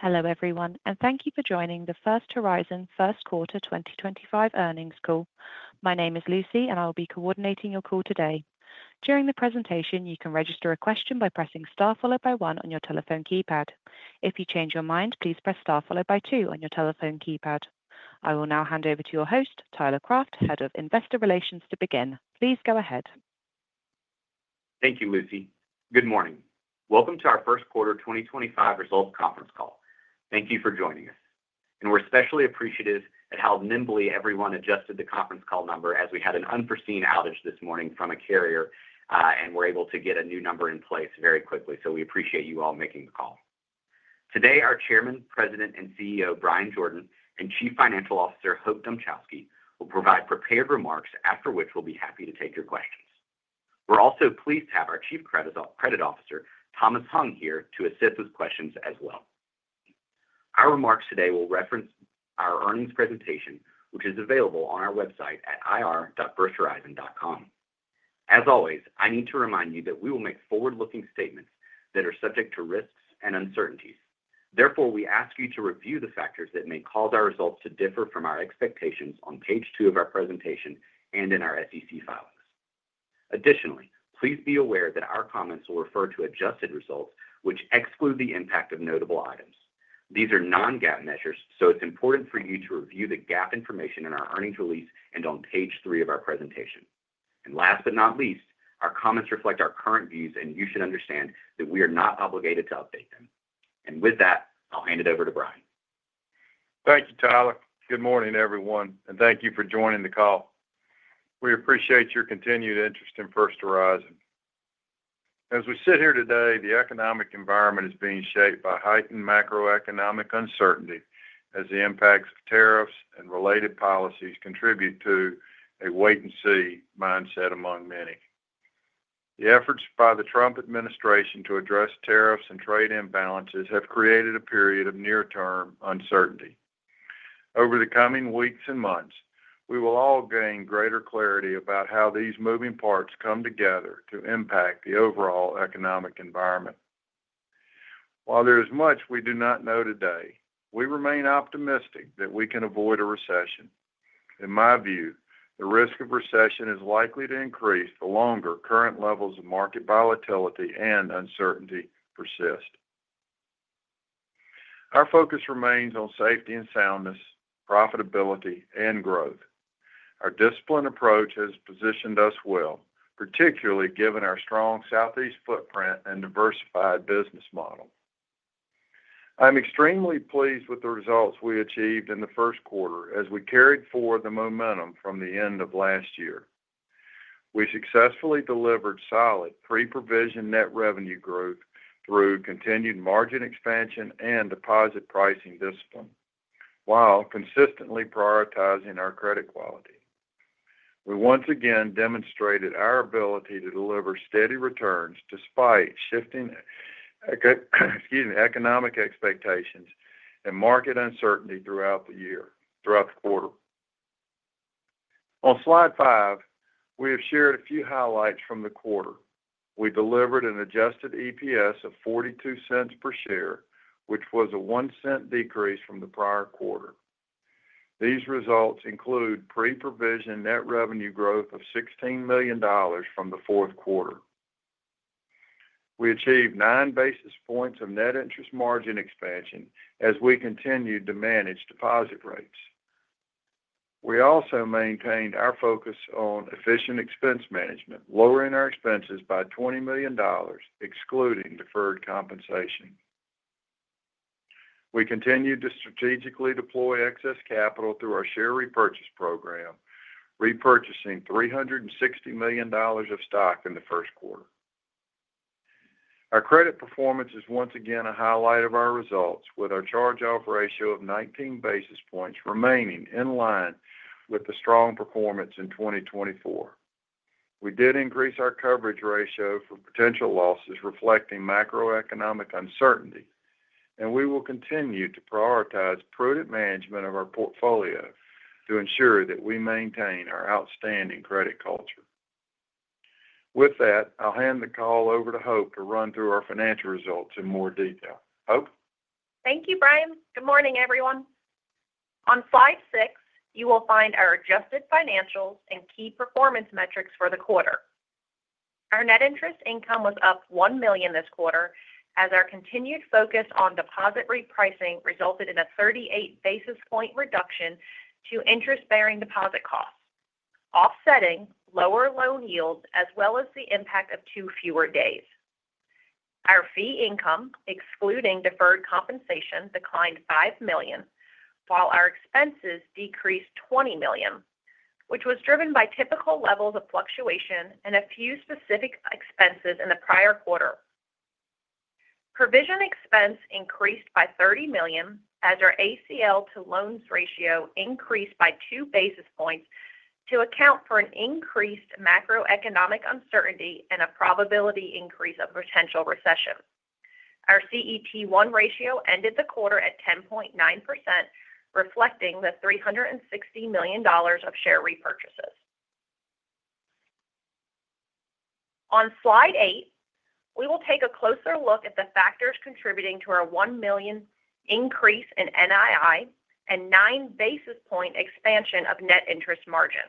Hello everyone, and thank you for joining the First Horizon first quarter 2025 earnings call. My name is Lucy, and I will be coordinating your call today. During the presentation, you can register a question by pressing star followed by one on your telephone keypad. If you change your mind, please press star followed by two on your telephone keypad. I will now hand over to your host, Tyler Craft, Head of Investor Relations, to begin. Please go ahead. Thank you, Lucy. Good morning. Welcome to our first quarter 2025 results conference call. Thank you for joining us. We are especially appreciative at how nimbly everyone adjusted the conference call number as we had an unforeseen outage this morning from a carrier, and were able to get a new number in place very quickly. We appreciate you all making the call. Today, our Chairman, President, and CEO, Bryan Jordan, and Chief Financial Officer, Hope Dmuchowski, will provide prepared remarks, after which we will be happy to take your questions. We are also pleased to have our Chief Credit Officer, Thomas Hung, here to assist with questions as well. Our remarks today will reference our earnings presentation, which is available on our website at ir.firsthorizon.com. As always, I need to remind you that we will make forward-looking statements that are subject to risks and uncertainties. Therefore, we ask you to review the factors that may cause our results to differ from our expectations on page two of our presentation and in our SEC filings. Additionally, please be aware that our comments will refer to adjusted results, which exclude the impact of notable items. These are non-GAAP measures, so it's important for you to review the GAAP information in our earnings release and on page three of our presentation. Last but not least, our comments reflect our current views, and you should understand that we are not obligated to update them. With that, I'll hand it over to Bryan. Thank you, Tyler. Good morning, everyone, and thank you for joining the call. We appreciate your continued interest in First Horizon. As we sit here today, the economic environment is being shaped by heightened macroeconomic uncertainty as the impacts of tariffs and related policies contribute to a wait-and-see mindset among many. The efforts by the Trump administration to address tariffs and trade imbalances have created a period of near-term uncertainty. Over the coming weeks and months, we will all gain greater clarity about how these moving parts come together to impact the overall economic environment. While there is much we do not know today, we remain optimistic that we can avoid a recession. In my view, the risk of recession is likely to increase the longer current levels of market volatility and uncertainty persist. Our focus remains on safety and soundness, profitability, and growth. Our disciplined approach has positioned us well, particularly given our strong Southeast footprint and diversified business model. I'm extremely pleased with the results we achieved in the first quarter as we carried forward the momentum from the end of last year. We successfully delivered solid pre-provision net revenue growth through continued margin expansion and deposit pricing discipline, while consistently prioritizing our credit quality. We once again demonstrated our ability to deliver steady returns despite shifting economic expectations and market uncertainty throughout the quarter. On slide five, we have shared a few highlights from the quarter. We delivered an adjusted EPS of $0.42 per share, which was a $0.01 decrease from the prior quarter. These results include pre-provision net revenue growth of $16 million from the fourth quarter. We achieved nine basis points of net interest margin expansion as we continued to manage deposit rates. We also maintained our focus on efficient expense management, lowering our expenses by $20 million, excluding deferred compensation. We continued to strategically deploy excess capital through our share repurchase program, repurchasing $360 million of stock in the first quarter. Our credit performance is once again a highlight of our results, with our charge-off ratio of 19 basis points remaining in line with the strong performance in 2024. We did increase our coverage ratio for potential losses reflecting macroeconomic uncertainty, and we will continue to prioritize prudent management of our portfolio to ensure that we maintain our outstanding credit culture. With that, I'll hand the call over to Hope to run through our financial results in more detail. Hope? Thank you, Bryan. Good morning, everyone. On slide six, you will find our adjusted financials and key performance metrics for the quarter. Our net interest income was up $1 million this quarter as our continued focus on deposit repricing resulted in a 38 basis point reduction to interest-bearing deposit costs, offsetting lower loan yields as well as the impact of two fewer days. Our fee income, excluding deferred compensation, declined $5 million, while our expenses decreased $20 million, which was driven by typical levels of fluctuation and a few specific expenses in the prior quarter. Provision expense increased by $30 million as our ACL to loans ratio increased by two basis points to account for an increased macroeconomic uncertainty and a probability increase of potential recession. Our CET1 ratio ended the quarter at 10.9%, reflecting the $360 million of share repurchases. On slide eight, we will take a closer look at the factors contributing to our $1 million increase in NII and nine basis point expansion of net interest margin.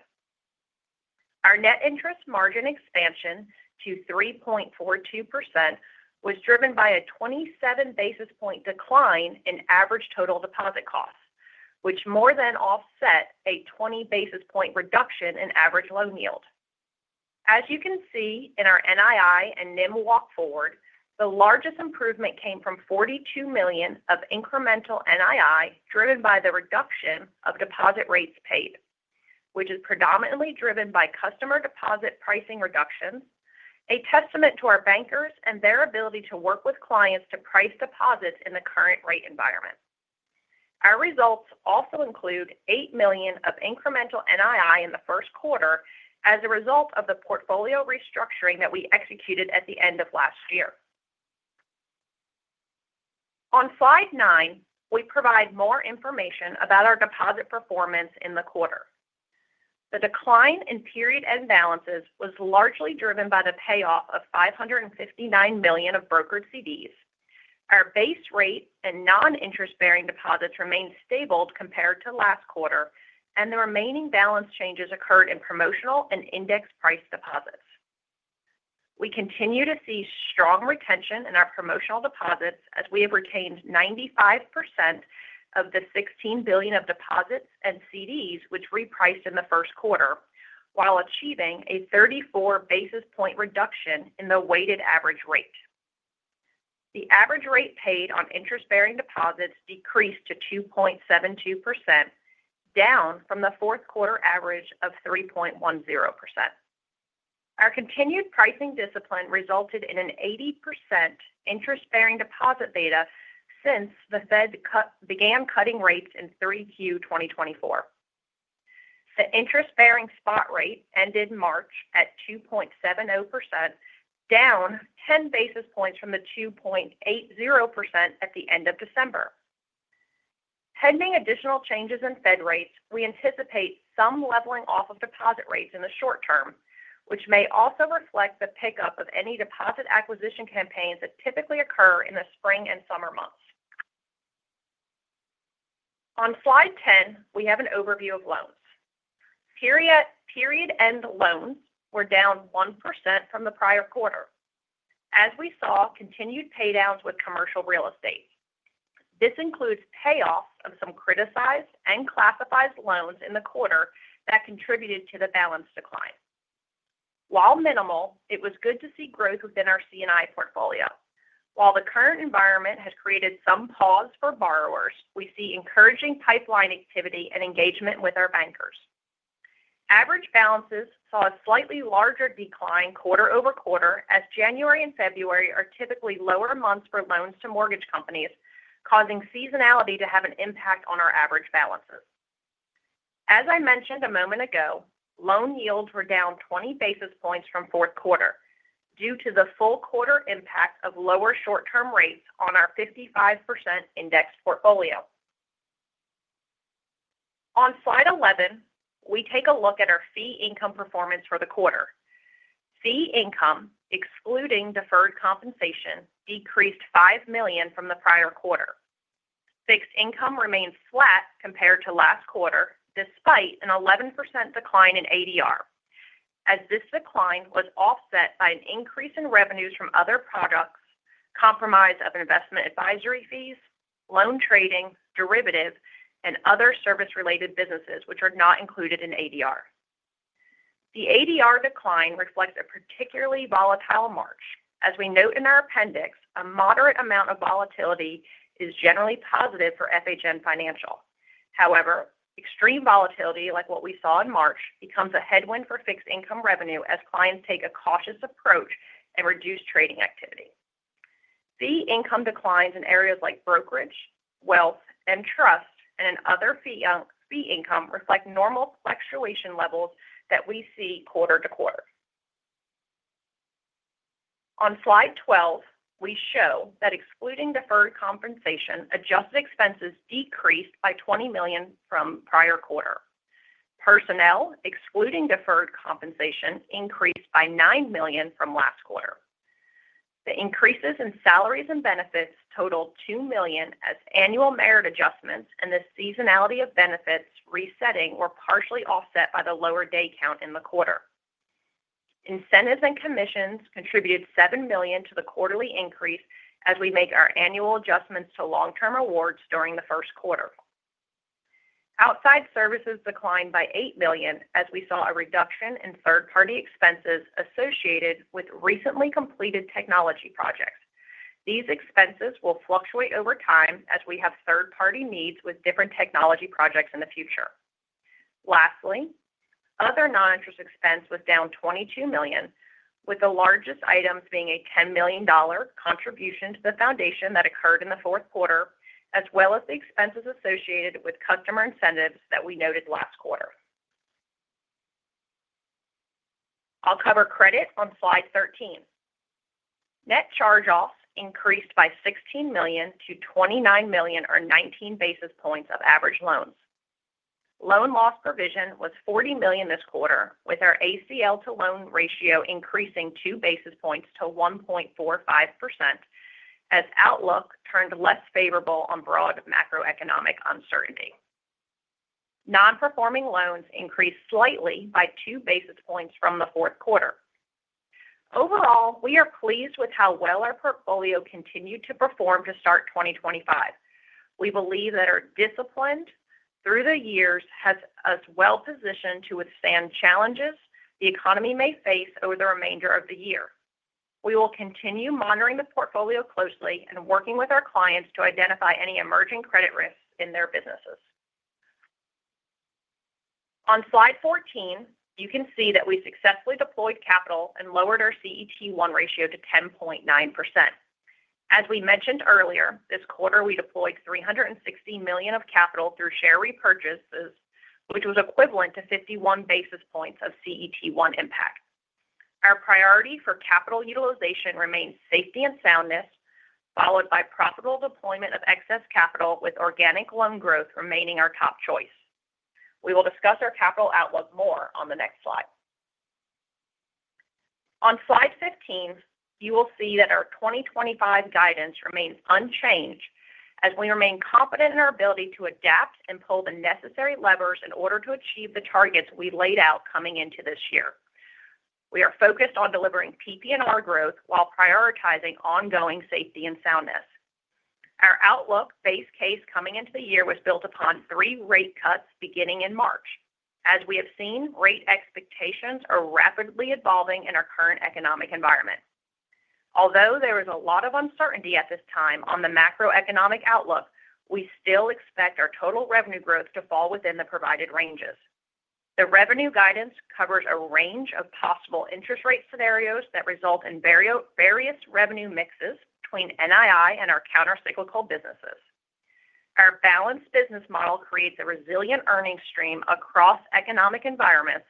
Our net interest margin expansion to 3.42% was driven by a 27 basis point decline in average total deposit costs, which more than offset a 20 basis point reduction in average loan yield. As you can see in our NII and NIM walk forward, the largest improvement came from $42 million of incremental NII driven by the reduction of deposit rates paid, which is predominantly driven by customer deposit pricing reductions, a testament to our bankers and their ability to work with clients to price deposits in the current rate environment. Our results also include $8 million of incremental NII in the first quarter as a result of the portfolio restructuring that we executed at the end of last year. On slide nine, we provide more information about our deposit performance in the quarter. The decline in period imbalances was largely driven by the payoff of $559 million of brokered CDs. Our base rate and non-interest-bearing deposits remained stable compared to last quarter, and the remaining balance changes occurred in promotional and index price deposits. We continue to see strong retention in our promotional deposits as we have retained 95% of the $16 billion of deposits and CDs which repriced in the first quarter, while achieving a 34 basis point reduction in the weighted average rate. The average rate paid on interest-bearing deposits decreased to 2.72%, down from the fourth quarter average of 3.10%. Our continued pricing discipline resulted in an 80% interest-bearing deposit beta since the Fed began cutting rates in Q3 2024. The interest-bearing spot rate ended March at 2.70%, down 10 basis points from the 2.80% at the end of December. Pending additional changes in Fed rates, we anticipate some leveling off of deposit rates in the short term, which may also reflect the pickup of any deposit acquisition campaigns that typically occur in the spring and summer months. On slide 10, we have an overview of loans. Period-end loans were down 1% from the prior quarter, as we saw continued paydowns with commercial real estate. This includes payoffs of some criticized and classified loans in the quarter that contributed to the balance decline. While minimal, it was good to see growth within our C&I portfolio. While the current environment has created some pause for borrowers, we see encouraging pipeline activity and engagement with our bankers. Average balances saw a slightly larger decline quarter over quarter as January and February are typically lower months for loans to mortgage companies, causing seasonality to have an impact on our average balances. As I mentioned a moment ago, loan yields were down 20 basis points from fourth quarter due to the full quarter impact of lower short-term rates on our 55% index portfolio. On slide 11, we take a look at our fee income performance for the quarter. Fee income, excluding deferred compensation, decreased $5 million from the prior quarter. Fixed income remains flat compared to last quarter, despite an 11% decline in ADR, as this decline was offset by an increase in revenues from other products, comprised of investment advisory fees, loan trading, derivatives, and other service-related businesses, which are not included in ADR. The ADR decline reflects a particularly volatile March. As we note in our appendix, a moderate amount of volatility is generally positive for FHN Financial. However, extreme volatility, like what we saw in March, becomes a headwind for fixed income revenue as clients take a cautious approach and reduce trading activity. Fee income declines in areas like brokerage, wealth, and trust, and in other fee income reflects normal fluctuation levels that we see quarter-to-quarter. On slide 12, we show that excluding deferred compensation, adjusted expenses decreased by $20 million from prior quarter. Personnel, excluding deferred compensation, increased by $9 million from last quarter. The increases in salaries and benefits totaled $2 million as annual merit adjustments, and the seasonality of benefits resetting were partially offset by the lower day count in the quarter. Incentives and commissions contributed $7 million to the quarterly increase as we make our annual adjustments to long-term awards during the first quarter. Outside services declined by $8 million, as we saw a reduction in third-party expenses associated with recently completed technology projects. These expenses will fluctuate over time as we have third-party needs with different technology projects in the future. Lastly, other non-interest expense was down $22 million, with the largest items being a $10 million contribution to the foundation that occurred in the fourth quarter, as well as the expenses associated with customer incentives that we noted last quarter. I'll cover credit on slide 13. Net charge-offs increased by $16 million-$29 million, or 19 basis points of average loans. Loan loss provision was $40 million this quarter, with our ACL to loan ratio increasing two basis points to 1.45% as outlook turned less favorable on broad macroeconomic uncertainty. Non-performing loans increased slightly by two basis points from the fourth quarter. Overall, we are pleased with how well our portfolio continued to perform to start 2025. We believe that our discipline through the years has us well positioned to withstand challenges the economy may face over the remainder of the year. We will continue monitoring the portfolio closely and working with our clients to identify any emerging credit risks in their businesses. On slide 14, you can see that we successfully deployed capital and lowered our CET1 ratio to 10.9%. As we mentioned earlier, this quarter we deployed $360 million of capital through share repurchases, which was equivalent to 51 basis points of CET1 impact. Our priority for capital utilization remains safety and soundness, followed by profitable deployment of excess capital, with organic loan growth remaining our top choice. We will discuss our capital outlook more on the next slide. On slide 15, you will see that our 2025 guidance remains unchanged as we remain confident in our ability to adapt and pull the necessary levers in order to achieve the targets we laid out coming into this year. We are focused on delivering PPNR growth while prioritizing ongoing safety and soundness. Our outlook base case coming into the year was built upon three rate cuts beginning in March. As we have seen, rate expectations are rapidly evolving in our current economic environment. Although there is a lot of uncertainty at this time on the macroeconomic outlook, we still expect our total revenue growth to fall within the provided ranges. The revenue guidance covers a range of possible interest rate scenarios that result in various revenue mixes between NII and our countercyclical businesses. Our balanced business model creates a resilient earnings stream across economic environments,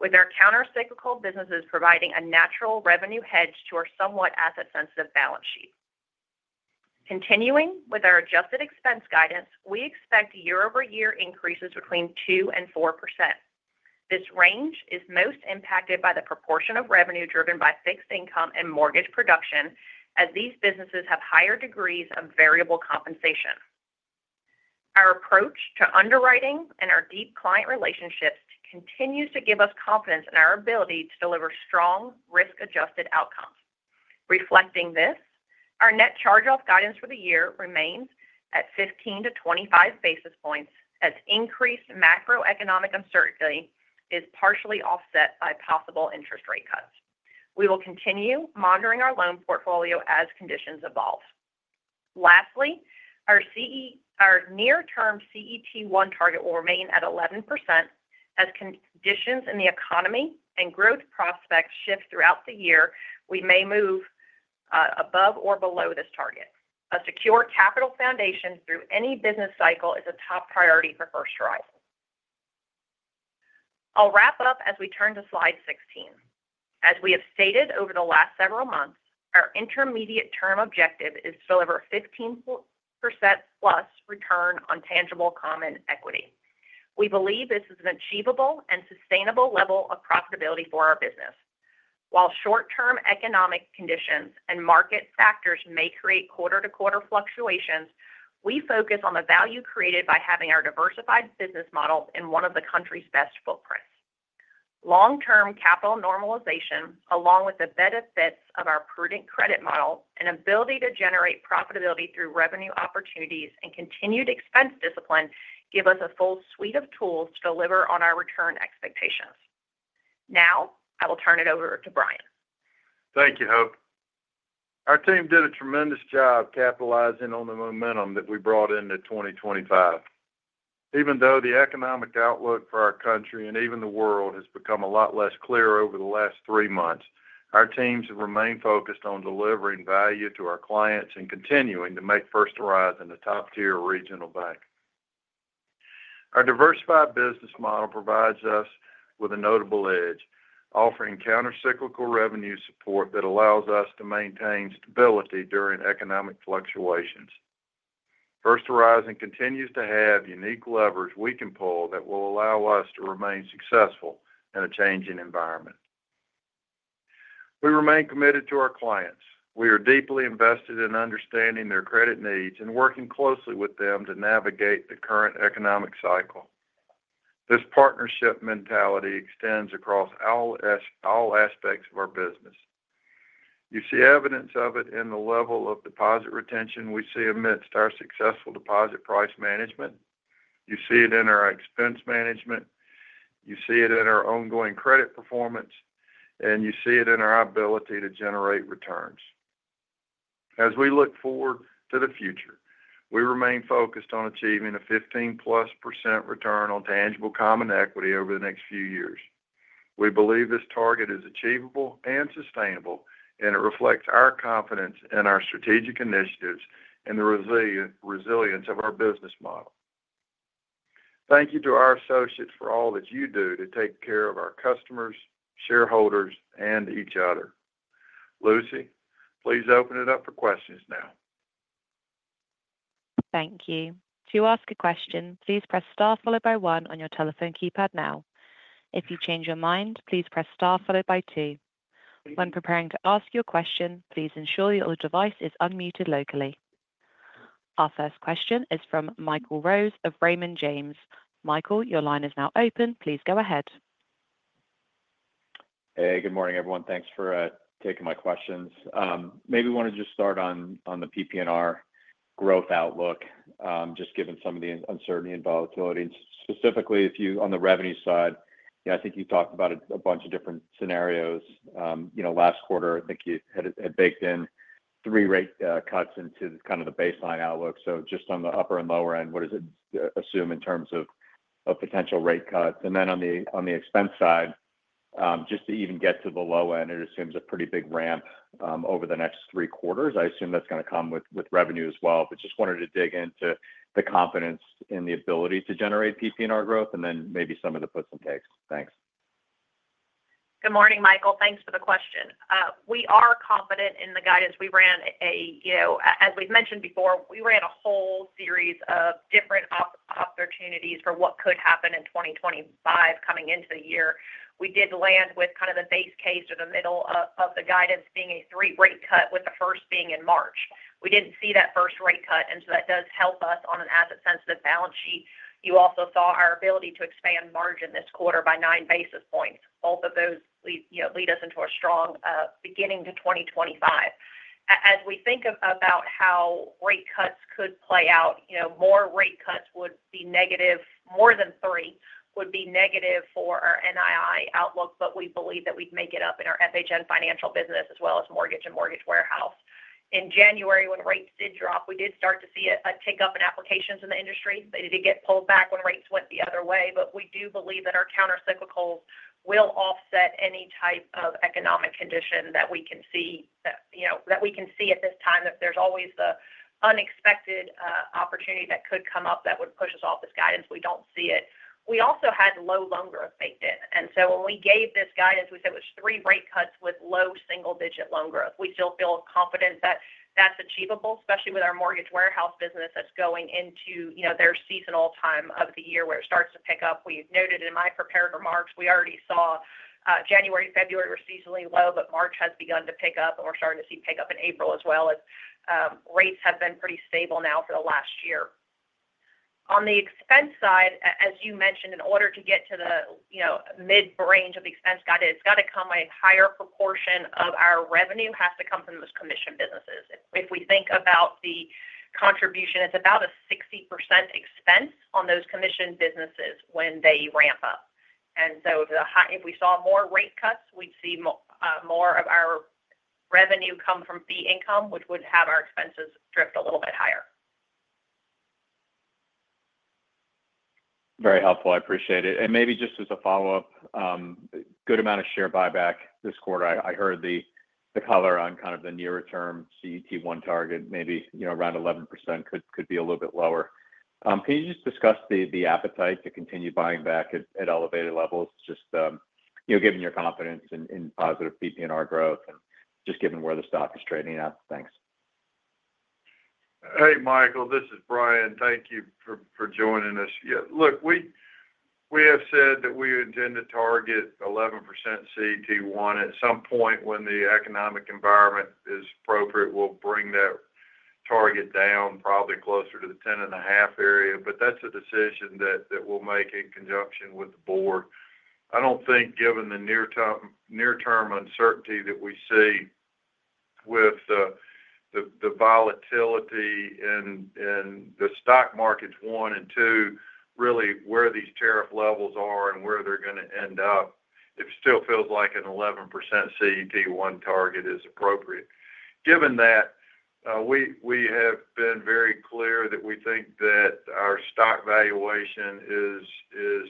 with our countercyclical businesses providing a natural revenue hedge to our somewhat asset-sensitive balance sheet. Continuing with our adjusted expense guidance, we expect year-over-year increases between 2% and 4%. This range is most impacted by the proportion of revenue driven by fixed income and mortgage production, as these businesses have higher degrees of variable compensation. Our approach to underwriting and our deep client relationships continues to give us confidence in our ability to deliver strong risk-adjusted outcomes. Reflecting this, our net charge-off guidance for the year remains at 15-25 basis points as increased macroeconomic uncertainty is partially offset by possible interest rate cuts. We will continue monitoring our loan portfolio as conditions evolve. Lastly, our near-term CET1 target will remain at 11%. As conditions in the economy and growth prospects shift throughout the year, we may move above or below this target. A secure capital foundation through any business cycle is a top priority for First Horizon. I'll wrap up as we turn to slide 16. As we have stated over the last several months, our intermediate term objective is to deliver 15%+ return on tangible common equity. We believe this is an achievable and sustainable level of profitability for our business. While short-term economic conditions and market factors may create quarter-to-quarter fluctuations, we focus on the value created by having our diversified business model in one of the country's best footprints. Long-term capital normalization, along with the benefits of our prudent credit model and ability to generate profitability through revenue opportunities and continued expense discipline, give us a full suite of tools to deliver on our return expectations. Now, I will turn it over to Bryan. Thank you, Hope. Our team did a tremendous job capitalizing on the momentum that we brought into 2025. Even though the economic outlook for our country and even the world has become a lot less clear over the last three months, our teams have remained focused on delivering value to our clients and continuing to make First Horizon a top-tier regional bank. Our diversified business model provides us with a notable edge, offering countercyclical revenue support that allows us to maintain stability during economic fluctuations. First Horizon continues to have unique levers we can pull that will allow us to remain successful in a changing environment. We remain committed to our clients. We are deeply invested in understanding their credit needs and working closely with them to navigate the current economic cycle. This partnership mentality extends across all aspects of our business. You see evidence of it in the level of deposit retention we see amidst our successful deposit price management. You see it in our expense management. You see it in our ongoing credit performance, and you see it in our ability to generate returns. As we look forward to the future, we remain focused on achieving a 15%+ return on tangible common equity over the next few years. We believe this target is achievable and sustainable, and it reflects our confidence in our strategic initiatives and the resilience of our business model. Thank you to our associates for all that you do to take care of our customers, shareholders, and each other. Lucy, please open it up for questions now. Thank you. To ask a question, please press star followed by one on your telephone keypad now. If you change your mind, please press star followed by two. When preparing to ask your question, please ensure your device is unmuted locally. Our first question is from Michael Rose of Raymond James. Michael, your line is now open. Please go ahead. Hey, good morning, everyone. Thanks for taking my questions. Maybe I want to just start on the PPNR growth outlook, just given some of the uncertainty and volatility. Specifically, on the revenue side, I think you talked about a bunch of different scenarios. Last quarter, I think you had baked in three rate cuts into kind of the baseline outlook. Just on the upper and lower end, what does it assume in terms of potential rate cuts? And then on the expense side, just to even get to the low end, it assumes a pretty big ramp over the next three quarters. I assume that's going to come with revenue as well. Just wanted to dig into the confidence in the ability to generate PPNR growth and then maybe some of the puts and takes. Thanks. Good morning, Michael. Thanks for the question. We are confident in the guidance we ran. As we've mentioned before, we ran a whole series of different opportunities for what could happen in 2025 coming into the year. We did land with kind of the base case or the middle of the guidance being a three-rate cut, with the first being in March. We did not see that first rate cut, and so that does help us on an asset-sensitive balance sheet. You also saw our ability to expand margin this quarter by nine basis points. Both of those lead us into a strong beginning to 2025. As we think about how rate cuts could play out, more rate cuts would be negative; more than three would be negative for our NII outlook, but we believe that we'd make it up in our FHN Financial business as well as mortgage and mortgage warehouse. In January, when rates did drop, we did start to see a tick up in applications in the industry. They did get pulled back when rates went the other way, but we do believe that our countercyclicals will offset any type of economic condition that we can see at this time. There's always the unexpected opportunity that could come up that would push us off this guidance. We don't see it. We also had low loan growth baked in. When we gave this guidance, we said it was three rate cuts with low single-digit loan growth. We still feel confident that that's achievable, especially with our mortgage warehouse business that's going into their seasonal time of the year where it starts to pick up. As noted in my prepared remarks, we already saw January and February were seasonally low, but March has begun to pick up, and we're starting to see pickup in April as well. Rates have been pretty stable now for the last year. On the expense side, as you mentioned, in order to get to the mid-range of the expense guide, a higher proportion of our revenue has to come from those commissioned businesses. If we think about the contribution, it's about a 60% expense on those commissioned businesses when they ramp up. If we saw more rate cuts, we'd see more of our revenue come from fee income, which would have our expenses drift a little bit higher. Very helpful. I appreciate it. Maybe just as a follow-up, good amount of share buyback this quarter. I heard the color on kind of the near-term CET1 target, maybe around 11% could be a little bit lower. Can you just discuss the appetite to continue buying back at elevated levels, just given your confidence in positive PP&R growth and just given where the stock is trading at? Thanks. Hey, Michael, this is Bryan. Thank you for joining us. Look, we have said that we intend to target 11% CET1. At some point, when the economic environment is appropriate, we'll bring that target down, probably closer to the 10.5 area, but that's a decision that we'll make in conjunction with the board. I don't think, given the near-term uncertainty that we see with the volatility in the stock markets, one, and two, really where these tariff levels are and where they're going to end up, it still feels like an 11% CET1 target is appropriate. Given that, we have been very clear that we think that our stock valuation is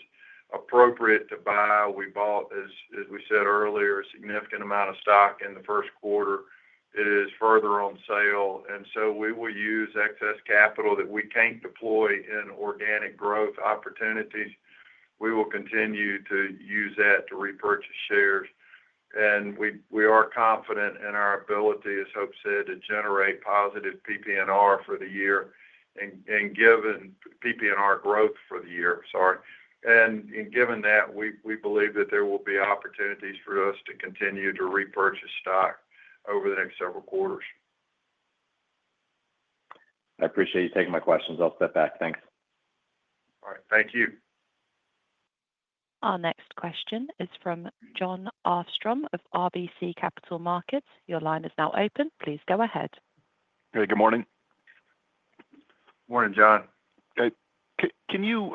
appropriate to buy. We bought, as we said earlier, a significant amount of stock in the first quarter. It is further on sale. We will use excess capital that we can't deploy in organic growth opportunities. We will continue to use that to repurchase shares. We are confident in our ability, as Hope said, to generate positive PP&R for the year and given PPNR growth for the year. Sorry. Given that, we believe that there will be opportunities for us to continue to repurchase stock over the next several quarters. I appreciate you taking my questions. I'll step back. Thanks. All right. Thank you. Our next question is from Jon Arfstrom of RBC Capital Markets. Your line is now open. Please go ahead. Hey, good morning. Morning, Jon. Can you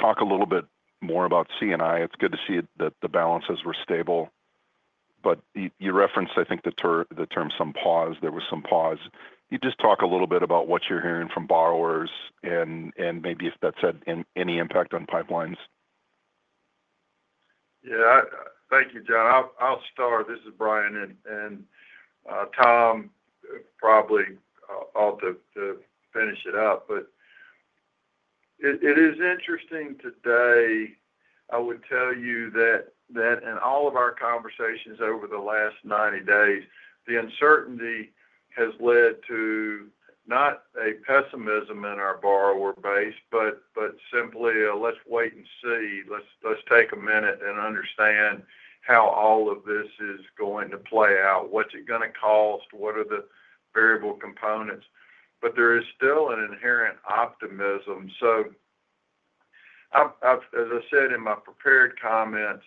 talk a little bit more about C&I? It's good to see that the balances were stable. You referenced, I think, the term some pause. There was some pause. Can you just talk a little bit about what you're hearing from borrowers and maybe if that's had any impact on pipelines? Yeah. Thank you, Jon. I'll start. This is Bryan and Tom, probably to finish it up. It is interesting today. I would tell you that in all of our conversations over the last 90 days, the uncertainty has led to not a pessimism in our borrower base, but simply a, "Let's wait and see. Let's take a minute and understand how all of this is going to play out. What's it going to cost? What are the variable components?" There is still an inherent optimism. As I said in my prepared comments,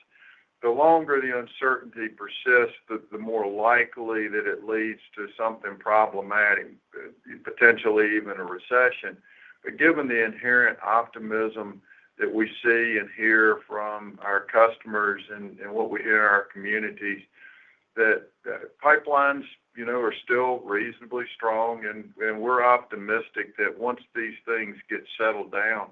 the longer the uncertainty persists, the more likely that it leads to something problematic, potentially even a recession. Given the inherent optimism that we see and hear from our customers and what we hear in our communities, pipelines are still reasonably strong. We're optimistic that once these things get settled down,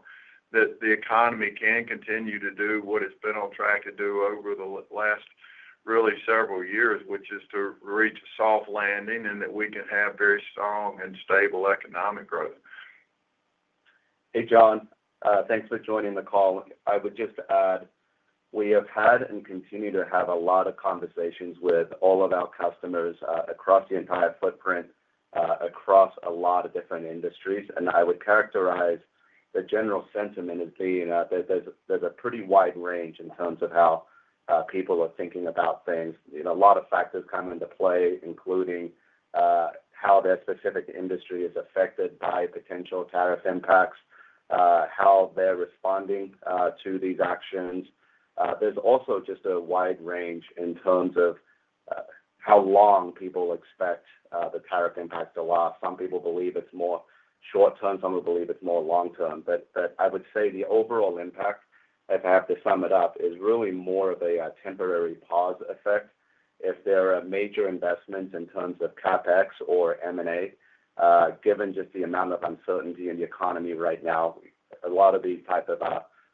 the economy can continue to do what it's been on track to do over the last really several years, which is to reach a soft landing and that we can have very strong and stable economic growth. Hey, Jon. Thanks for joining the call. I would just add we have had and continue to have a lot of conversations with all of our customers across the entire footprint, across a lot of different industries. I would characterize the general sentiment as being that there's a pretty wide range in terms of how people are thinking about things. A lot of factors come into play, including how their specific industry is affected by potential tariff impacts, how they're responding to these actions. There's also just a wide range in terms of how long people expect the tariff impact to last. Some people believe it's more short-term. Some people believe it's more long-term. I would say the overall impact, if I have to sum it up, is really more of a temporary pause effect. If there are major investments in terms of CapEx or M&A, given just the amount of uncertainty in the economy right now, a lot of these types of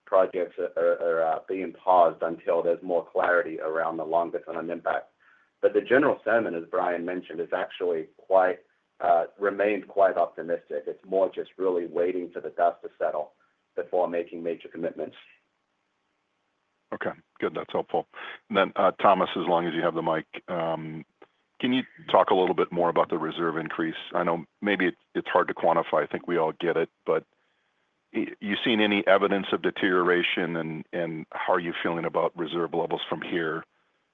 projects are being paused until there's more clarity around the longer-term impact. The general sentiment, as Bryan mentioned, has actually remained quite optimistic. It's more just really waiting for the dust to settle before making major commitments. Okay. Good. That's helpful. Then, Thomas, as long as you have the mic, can you talk a little bit more about the reserve increase? I know maybe it's hard to quantify. I think we all get it. Have you seen any evidence of deterioration, and how are you feeling about reserve levels from here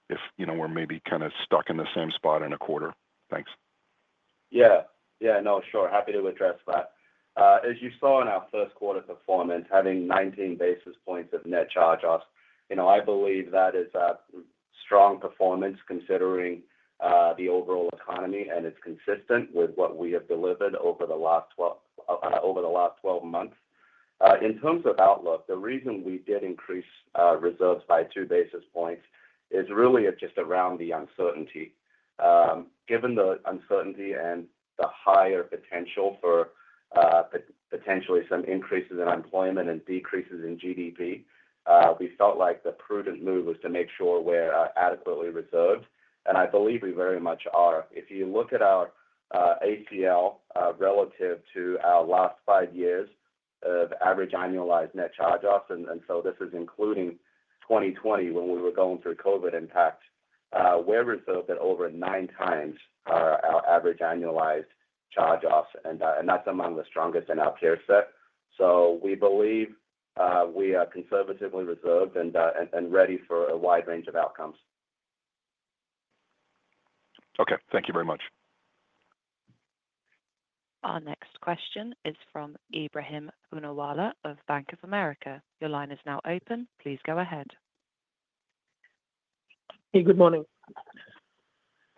if we're maybe kind of stuck in the same spot in a quarter? Thanks. Yeah. No, sure. Happy to address that. As you saw in our first quarter performance, having 19 basis points of net charge-off, I believe that is a strong performance considering the overall economy, and it's consistent with what we have delivered over the last 12 months. In terms of outlook, the reason we did increase reserves by two basis points is really just around the uncertainty. Given the uncertainty and the higher potential for potentially some increases in unemployment and decreases in GDP, we felt like the prudent move was to make sure we're adequately reserved. I believe we very much are. If you look at our ACL relative to our last five years of average annualized net charge-off, and so this is including 2020 when we were going through COVID impacts, we're reserved at over 9x our average annualized charge-off. And that's among the strongest in our peer set. So we believe we are conservatively reserved and ready for a wide range of outcomes. Okay. Thank you very much. Our next question is from Ebrahim Poonawala of Bank of America. Your line is now open. Please go ahead. Hey, good morning.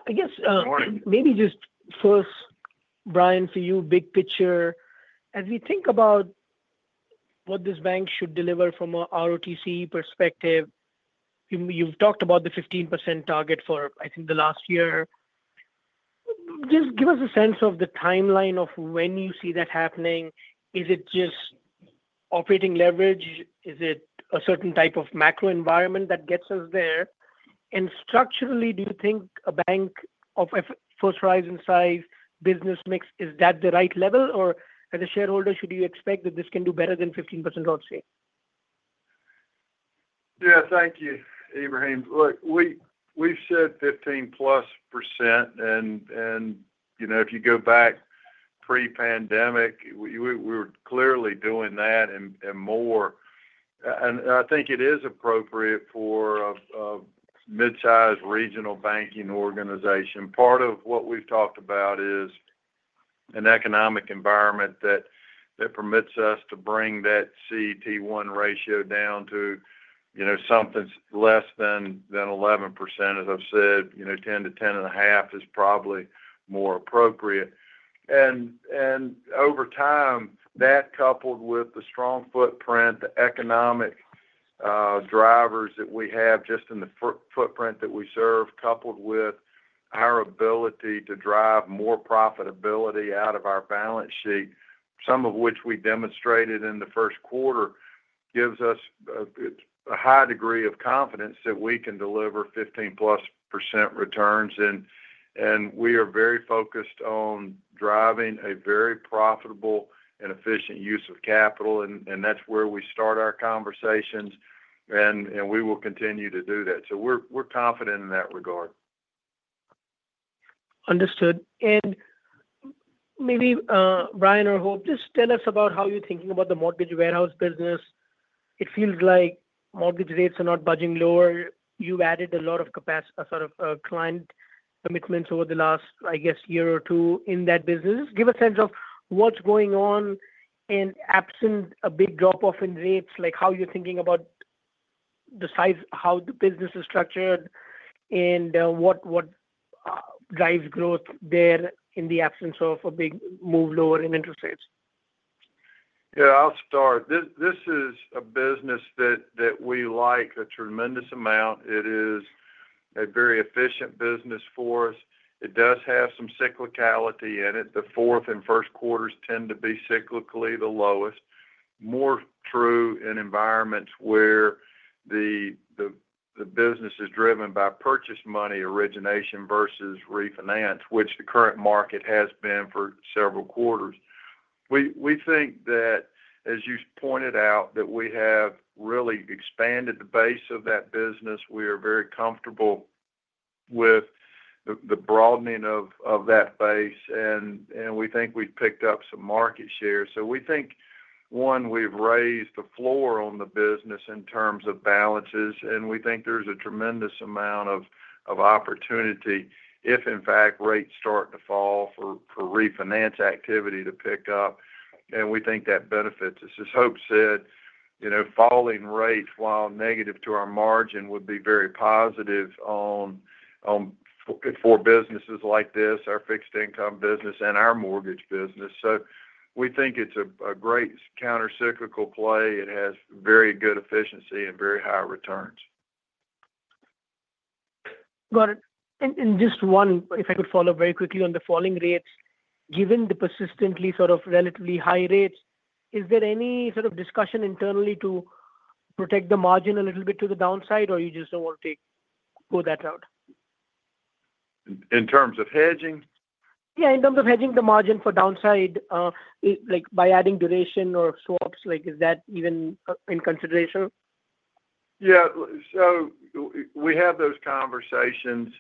I guess. Good morning. Maybe just first, Brian, for you, big picture, as we think about what this bank should deliver from an ROTCE perspective, you've talked about the 15% target for, I think, the last year. Just give us a sense of the timeline of when you see that happening. Is it just operating leverage? Is it a certain type of macro environment that gets us there? And structurally, do you think a bank of First Horizon's size business mix, is that the right level? Or as a shareholder, should you expect that this can do better than 15% ROTCE? Yeah. Thank you, Ebrahim. Look, we've said 15%+. If you go back pre-pandemic, we were clearly doing that and more. I think it is appropriate for a mid-size regional banking organization. Part of what we've talked about is an economic environment that permits us to bring that CET1 ratio down to something less than 11%. As I've said, 10-10.5% is probably more appropriate. Over time, that coupled with the strong footprint, the economic drivers that we have just in the footprint that we serve, coupled with our ability to drive more profitability out of our balance sheet, some of which we demonstrated in the first quarter, gives us a high degree of confidence that we can deliver 15%+ returns. We are very focused on driving a very profitable and efficient use of capital. That is where we start our conversations. We will continue to do that. We are confident in that regard. Understood. Maybe Bryan or Hope, just tell us about how you are thinking about the mortgage warehouse business. It feels like mortgage rates are not budging lower. You have added a lot of sort of client commitments over the last, I guess, year or two in that business. Just give a sense of what is going on in absent a big drop-off in rates, how you're thinking about the size, how the business is structured, and what drives growth there in the absence of a big move lower in interest rates. Yeah. I'll start. This is a business that we like a tremendous amount. It is a very efficient business for us. It does have some cyclicality in it. The fourth and first quarters tend to be cyclically the lowest, more true in environments where the business is driven by purchase money origination versus refinance, which the current market has been for several quarters. We think that, as you pointed out, that we have really expanded the base of that business. We are very comfortable with the broadening of that base. We think we've picked up some market share. We think, one, we've raised the floor on the business in terms of balances. We think there is a tremendous amount of opportunity if, in fact, rates start to fall for refinance activity to pick up. We think that benefits. As Hope said, falling rates while negative to our margin would be very positive for businesses like this, our fixed income business and our mortgage business. We think it is a great countercyclical play. It has very good efficiency and very high returns. Got it. Just one, if I could follow up very quickly on the falling rates, given the persistently sort of relatively high rates, is there any sort of discussion internally to protect the margin a little bit to the downside, or you just do not want to pull that out? In terms of hedging? Yes. In terms of hedging the margin for downside, by adding duration or swaps, is that even in consideration? Yes. We have those conversations.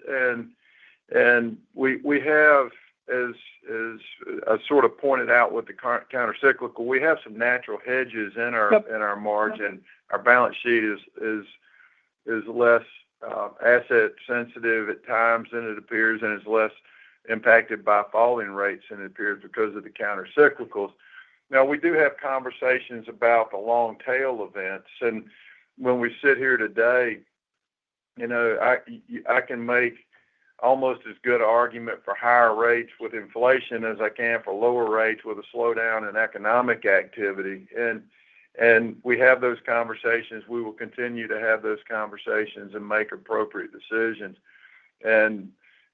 We have, as I sort of pointed out with the countercyclical, some natural hedges in our margin. Our balance sheet is less asset-sensitive at times than it appears, and it is less impacted by falling rates than it appears because of the countercyclicals. We do have conversations about the long-tail events. When we sit here today, I can make almost as good an argument for higher rates with inflation as I can for lower rates with a slowdown in economic activity. We have those conversations. We will continue to have those conversations and make appropriate decisions.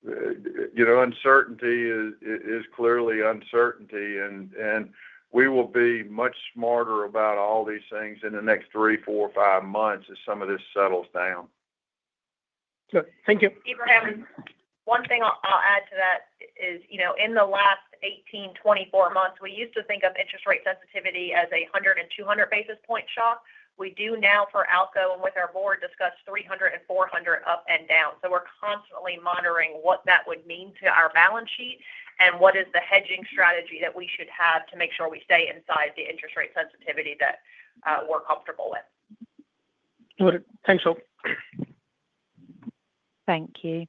Uncertainty is clearly uncertainty. We will be much smarter about all these things in the next three, four, five months as some of this settles down. Good. Thank you. Ebrahim, one thing I'll add to that is in the last 18, 24 months, we used to think of interest rate sensitivity as a 100 and 200 basis point shock. We do now, for ALCO, and with our board, discuss 300 and 400 up and down. We are constantly monitoring what that would mean to our balance sheet and what is the hedging strategy that we should have to make sure we stay inside the interest rate sensitivity that we're comfortable with. Got it. Thanks, Hope. Thank you.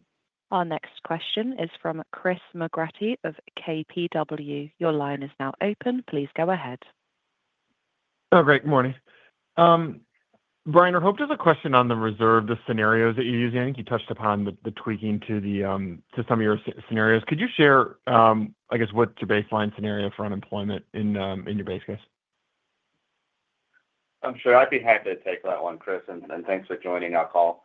Our next question is from Chris McGratty of KBW. Your line is now open. Please go ahead. Oh, great. Good morning. Bryan or Hope, just a question on the reserve, the scenarios that you're using. You touched upon the tweaking to some of your scenarios. Could you share, I guess, what's your baseline scenario for unemployment in your base case? I'm sure I'd be happy to take that one, Chris. Thanks for joining our call.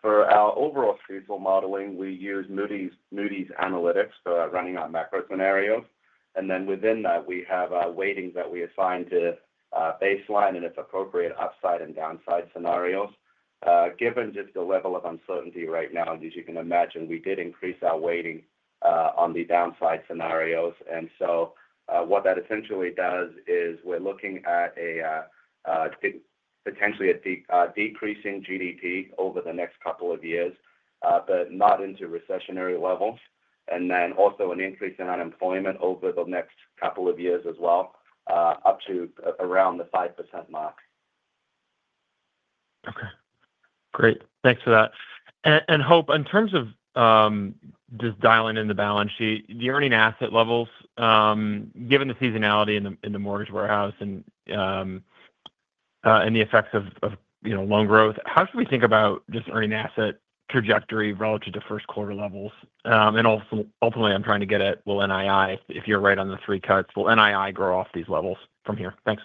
For our overall CECL modeling, we use Moody's Analytics for running our macro scenarios. Within that, we have weightings that we assign to baseline and, if appropriate, upside and downside scenarios. Given just the level of uncertainty right now, as you can imagine, we did increase our weighting on the downside scenarios. What that essentially does is we're looking at potentially a decreasing GDP over the next couple of years, but not into recessionary levels. Also, an increase in unemployment over the next couple of years as well, up to around the 5% mark. Okay. Great. Thanks for that. Hope, in terms of just dialing in the balance sheet, the earning asset levels, given the seasonality in the mortgage warehouse and the effects of loan growth, how should we think about just earning asset trajectory relative to first quarter levels? Ultimately, I'm trying to get at, NII, if you're right on the three cuts, will NII grow off these levels from here? Thanks.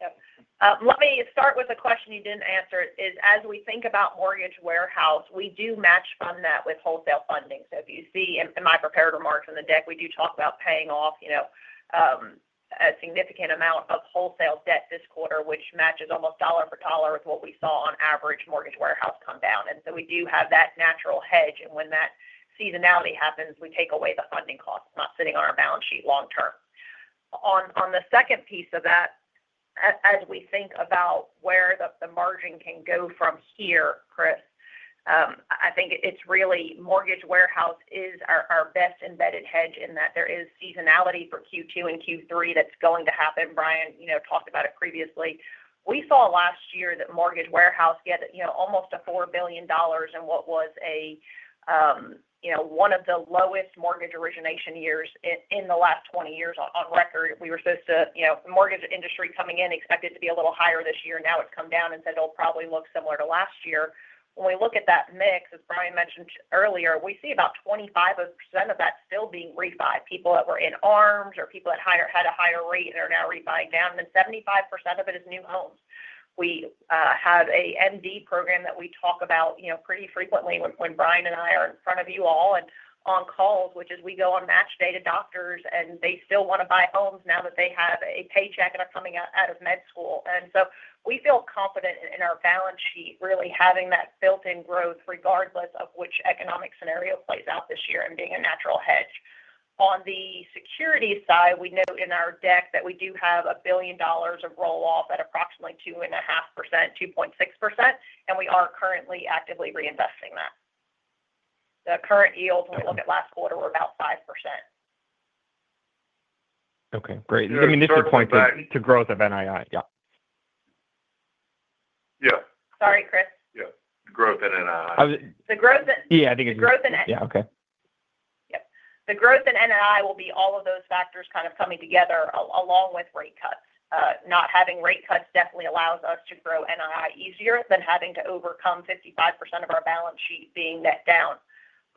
Yep. Let me start with a question you did not answer. As we think about mortgage warehouse, we do match fund that with wholesale funding. If you see in my prepared remarks on the deck, we do talk about paying off a significant amount of wholesale debt this quarter, which matches almost dollar for dollar with what we saw on average mortgage warehouse come down. We do have that natural hedge. When that seasonality happens, we take away the funding costs not sitting on our balance sheet long-term. On the second piece of that, as we think about where the margin can go from here, Chris, I think it's really mortgage warehouse is our best embedded hedge in that there is seasonality for Q2 and Q3 that's going to happen. Bryan talked about it previously. We saw last year that mortgage warehouse get almost $4 billion in what was one of the lowest mortgage origination years in the last 20 years on record. We were supposed to mortgage industry coming in expected to be a little higher this year. Now it's come down and said it'll probably look similar to last year. When we look at that mix, as Bryan mentioned earlier, we see about 25% of that still being refi. People that were in ARMs or people that had a higher rate and are now refying down. 75% of it is new homes. We have an MD program that we talk about pretty frequently when Brian and I are in front of you all and on calls, which is we go on match day to doctors, and they still want to buy homes now that they have a paycheck and are coming out of med school. We feel confident in our balance sheet really having that built-in growth regardless of which economic scenario plays out this year and being a natural hedge. On the security side, we note in our deck that we do have $1 billion of roll-off at approximately 2.5%-2.6%. We are currently actively reinvesting that. The current yield, when we look at last quarter, we are about 5%. Okay. Great. I mean, this is pointed to growth of NII. Yeah. Sorry, Chris. Yeah. Growth in NII. The growth in. Yeah. I think it's growth in. Yeah. Okay. Yep. The growth in NII will be all of those factors kind of coming together along with rate cuts. Not having rate cuts definitely allows us to grow NII easier than having to overcome 55% of our balance sheet being net down.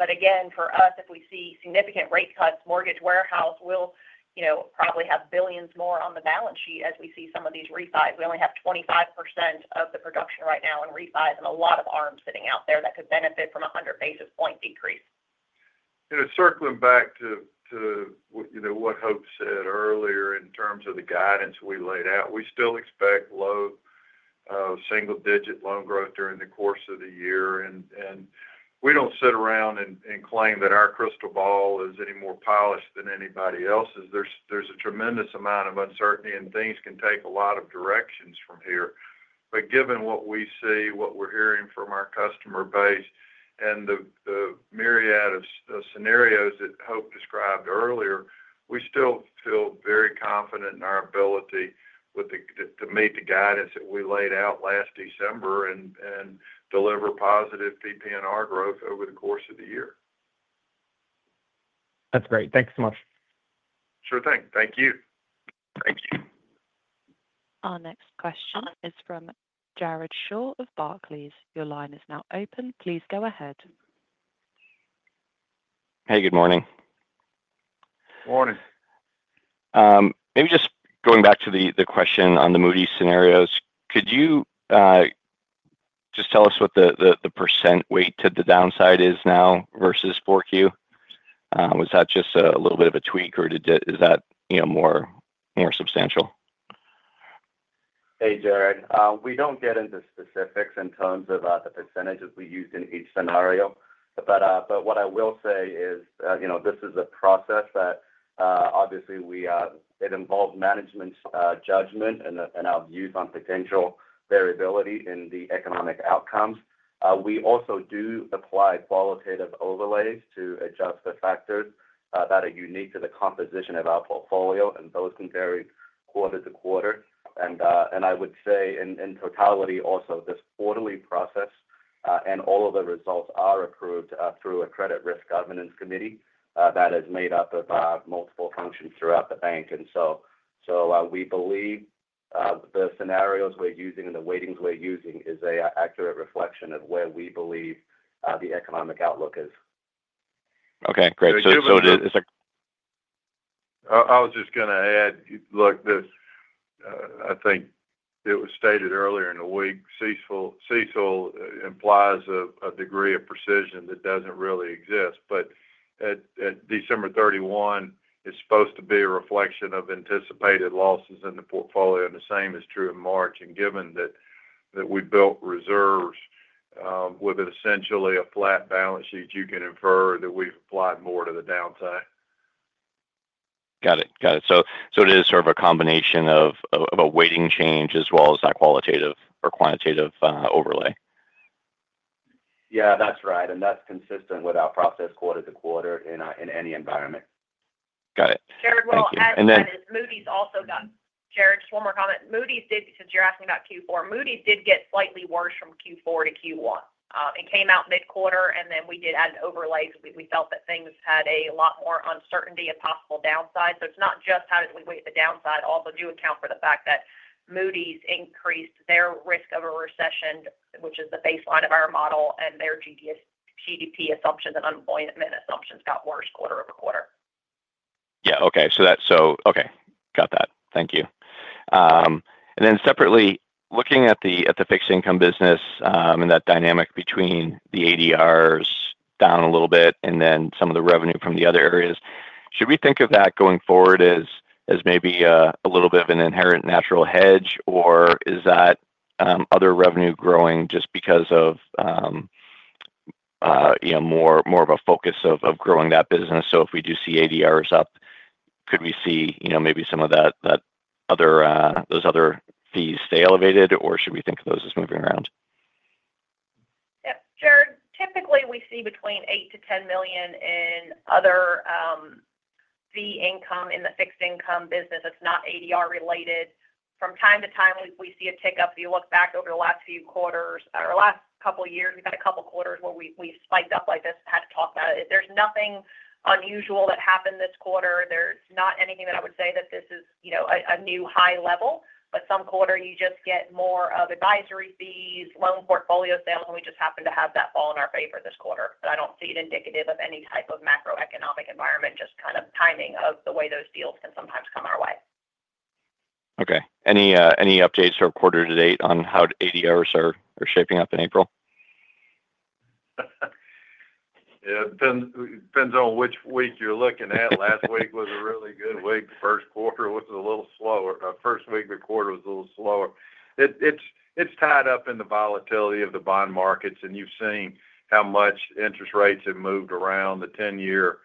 Again, for us, if we see significant rate cuts, mortgage warehouse will probably have billions more on the balance sheet as we see some of these refis. We only have 25% of the production right now in refis and a lot of ARMs sitting out there that could benefit from a 100 basis point decrease. Circling back to what Hope said earlier in terms of the guidance we laid out, we still expect low single-digit loan growth during the course of the year. We do not sit around and claim that our crystal ball is any more polished than anybody else's. There is a tremendous amount of uncertainty, and things can take a lot of directions from here. Given what we see, what we are hearing from our customer base, and the myriad of scenarios that Hope described earlier, we still feel very confident in our ability to meet the guidance that we laid out last December and deliver positive PP&R growth over the course of the year. That's great. Thanks so much. Sure thing. Thank you. Thank you. Our next question is from Jared Shaw of Barclays. Your line is now open. Please go ahead. Hey. Good morning. Morning. Maybe just going back to the question on the Moody's scenarios, could you just tell us what the percent weight to the downside is now versus 4Q? Was that just a little bit of a tweak, or is that more substantial? Hey, Jared. We do not get into specifics in terms of the percentages we use in each scenario. What I will say is this is a process that obviously involves management judgment and our views on potential variability in the economic outcomes. We also do apply qualitative overlays to adjust the factors that are unique to the composition of our portfolio, and those can vary quarter to quarter. I would say in totality, also, this quarterly process and all of the results are approved through a credit risk governance committee that is made up of multiple functions throughout the bank. We believe the scenarios we're using and the weightings we're using is an accurate reflection of where we believe the economic outlook is. Okay. Great. I was just going to add, look, I think it was stated earlier in the week, CESOL implies a degree of precision that doesn't really exist. At December 31st, it's supposed to be a reflection of anticipated losses in the portfolio, and the same is true in March. Given that we built reserves with essentially a flat balance sheet, you can infer that we've applied more to the downside. Got it. Got it. It is sort of a combination of a weighting change as well as that qualitative or quantitative overlay. Yeah. That's right. That's consistent with our process quarter-to-quarter in any environment. Got it. Jared, while I'll add to that, Moody's also got Jared, just one more comment. Since you're asking about Q4, Moody's did get slightly worse from Q4-Q1. It came out mid-quarter, and then we did add overlays because we felt that things had a lot more uncertainty of possible downside. It is not just how did we weight the downside. Also, do account for the fact that Moody's increased their risk of a recession, which is the baseline of our model, and their GDP assumptions and unemployment assumptions got worse quarter-over-quarter. Yeah. Okay. Got that. Thank you. Separately, looking at the fixed income business and that dynamic between the ADRs down a little bit and then some of the revenue from the other areas, should we think of that going forward as maybe a little bit of an inherent natural hedge, or is that other revenue growing just because of more of a focus of growing that business? If we do see ADRs up, could we see maybe some of those other fees stay elevated, or should we think of those as moving around? Yep. Jared, typically, we see between $8 million-$10 million in other fee income in the fixed income business. It is not ADR related. From time to time, we see a tick up. If you look back over the last few quarters or last couple of years, we have had a couple of quarters where we have spiked up like this. Had to talk about it. There's nothing unusual that happened this quarter. There's not anything that I would say that this is a new high level. Some quarter, you just get more of advisory fees, loan portfolio sales, and we just happen to have that fall in our favor this quarter. I don't see it indicative of any type of macroeconomic environment, just kind of timing of the way those deals can sometimes come our way. Okay. Any updates or quarter to date on how ADRs are shaping up in April? It depends on which week you're looking at. Last week was a really good week. First quarter was a little slower. First week of the quarter was a little slower. It's tied up in the volatility of the bond markets, and you've seen how much interest rates have moved around. The 10-year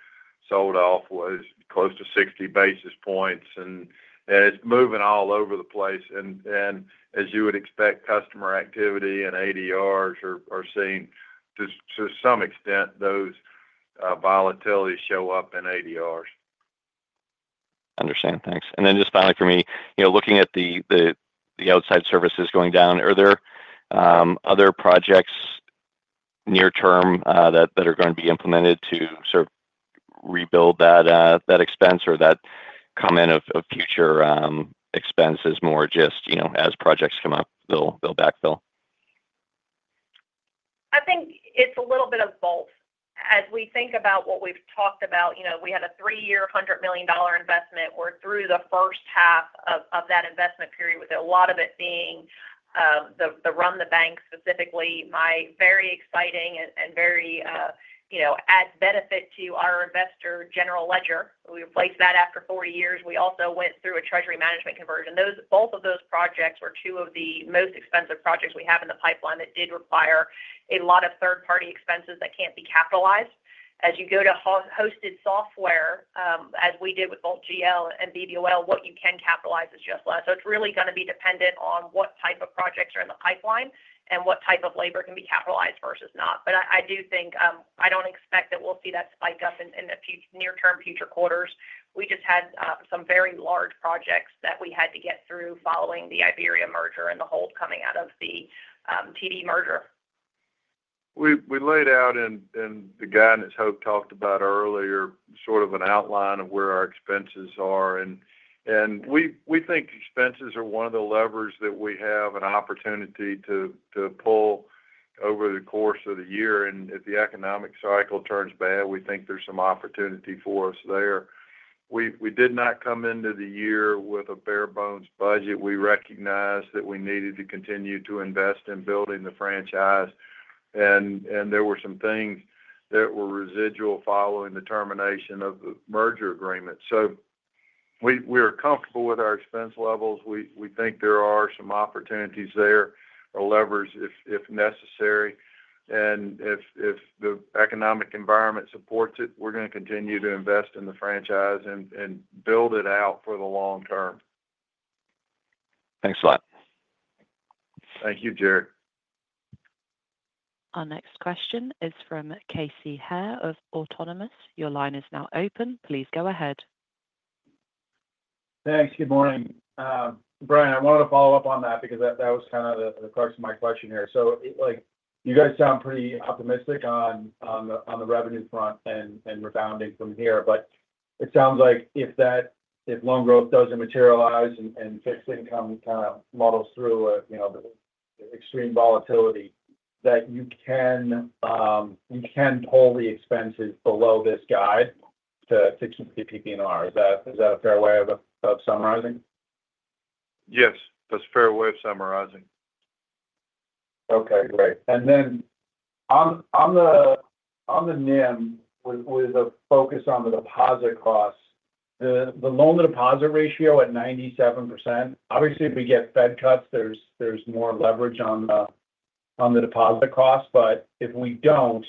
sold off was close to 60 basis points, and it's moving all over the place. As you would expect, customer activity and ADRs are seeing, to some extent, those volatilities show up in ADRs. Understand. Thanks. Finally for me, looking at the outside services going down, are there other projects near term that are going to be implemented to sort of rebuild that expense or is that comment of future expenses more just as projects come up, they'll backfill? I think it's a little bit of both. As we think about what we've talked about, we had a three-year $100 million investment. We're through the first half of that investment period with a lot of it being the run the bank specifically, my very exciting and very add benefit to our investor general ledger. We replaced that after 40 years. We also went through a treasury management conversion. Both of those projects were two of the most expensive projects we have in the pipeline that did require a lot of third-party expenses that cannot be capitalized. As you go to hosted software, as we did with both GL and BBOL, what you can capitalize is just less. It is really going to be dependent on what type of projects are in the pipeline and what type of labor can be capitalized versus not. I do think I do not expect that we will see that spike up in near-term future quarters. We just had some very large projects that we had to get through following the Iberia merger and the hold coming out of the TD merger. We laid out in the guidance Hope talked about earlier sort of an outline of where our expenses are. We think expenses are one of the levers that we have an opportunity to pull over the course of the year. If the economic cycle turns bad, we think there is some opportunity for us there. We did not come into the year with a bare bones budget. We recognized that we needed to continue to invest in building the franchise. There were some things that were residual following the termination of the merger agreement. We are comfortable with our expense levels. We think there are some opportunities there or levers if necessary. If the economic environment supports it, we are going to continue to invest in the franchise and build it out for the long term. Thanks a lot. Thank you, Jared. Our next question is from Casey Hare of Autonomous. Your line is now open. Please go ahead. Thanks. Good morning. Bryan, I wanted to follow up on that because that was kind of the crux of my question here. You guys sound pretty optimistic on the revenue front and rebounding from here. It sounds like if loan growth doesn't materialize and fixed income kind of muddles through the extreme volatility, you can pull the expenses below this guide to keep the PP&R. Is that a fair way of summarizing? Yes. That's a fair way of summarizing. Okay. Great. On the NIM, with a focus on the deposit costs, the loan-to-deposit ratio at 97%, obviously, if we get Fed cuts, there's more leverage on the deposit costs. If we don't,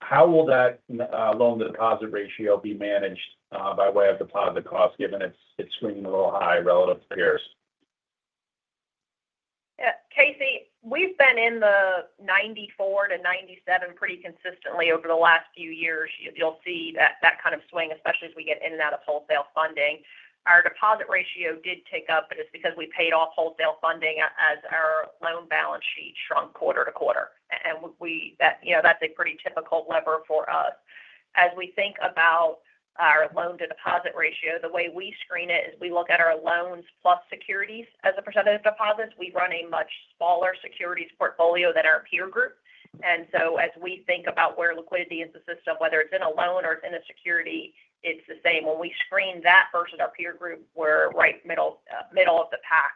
how will that loan-to-deposit ratio be managed by way of deposit costs given it's swinging a little high relative to peers? Casey, we've been in the 94-97 pretty consistently over the last few years. You'll see that kind of swing, especially as we get in and out of wholesale funding. Our deposit ratio did tick up, but it's because we paid off wholesale funding as our loan balance sheet shrunk quarter to quarter. That's a pretty typical lever for us. As we think about our loan-to-deposit ratio, the way we screen it is we look at our loans plus securities as a percentage of deposits. We run a much smaller securities portfolio than our peer group. As we think about where liquidity is in the system, whether it's in a loan or it's in a security, it's the same. When we screen that versus our peer group, we're right middle of the pack.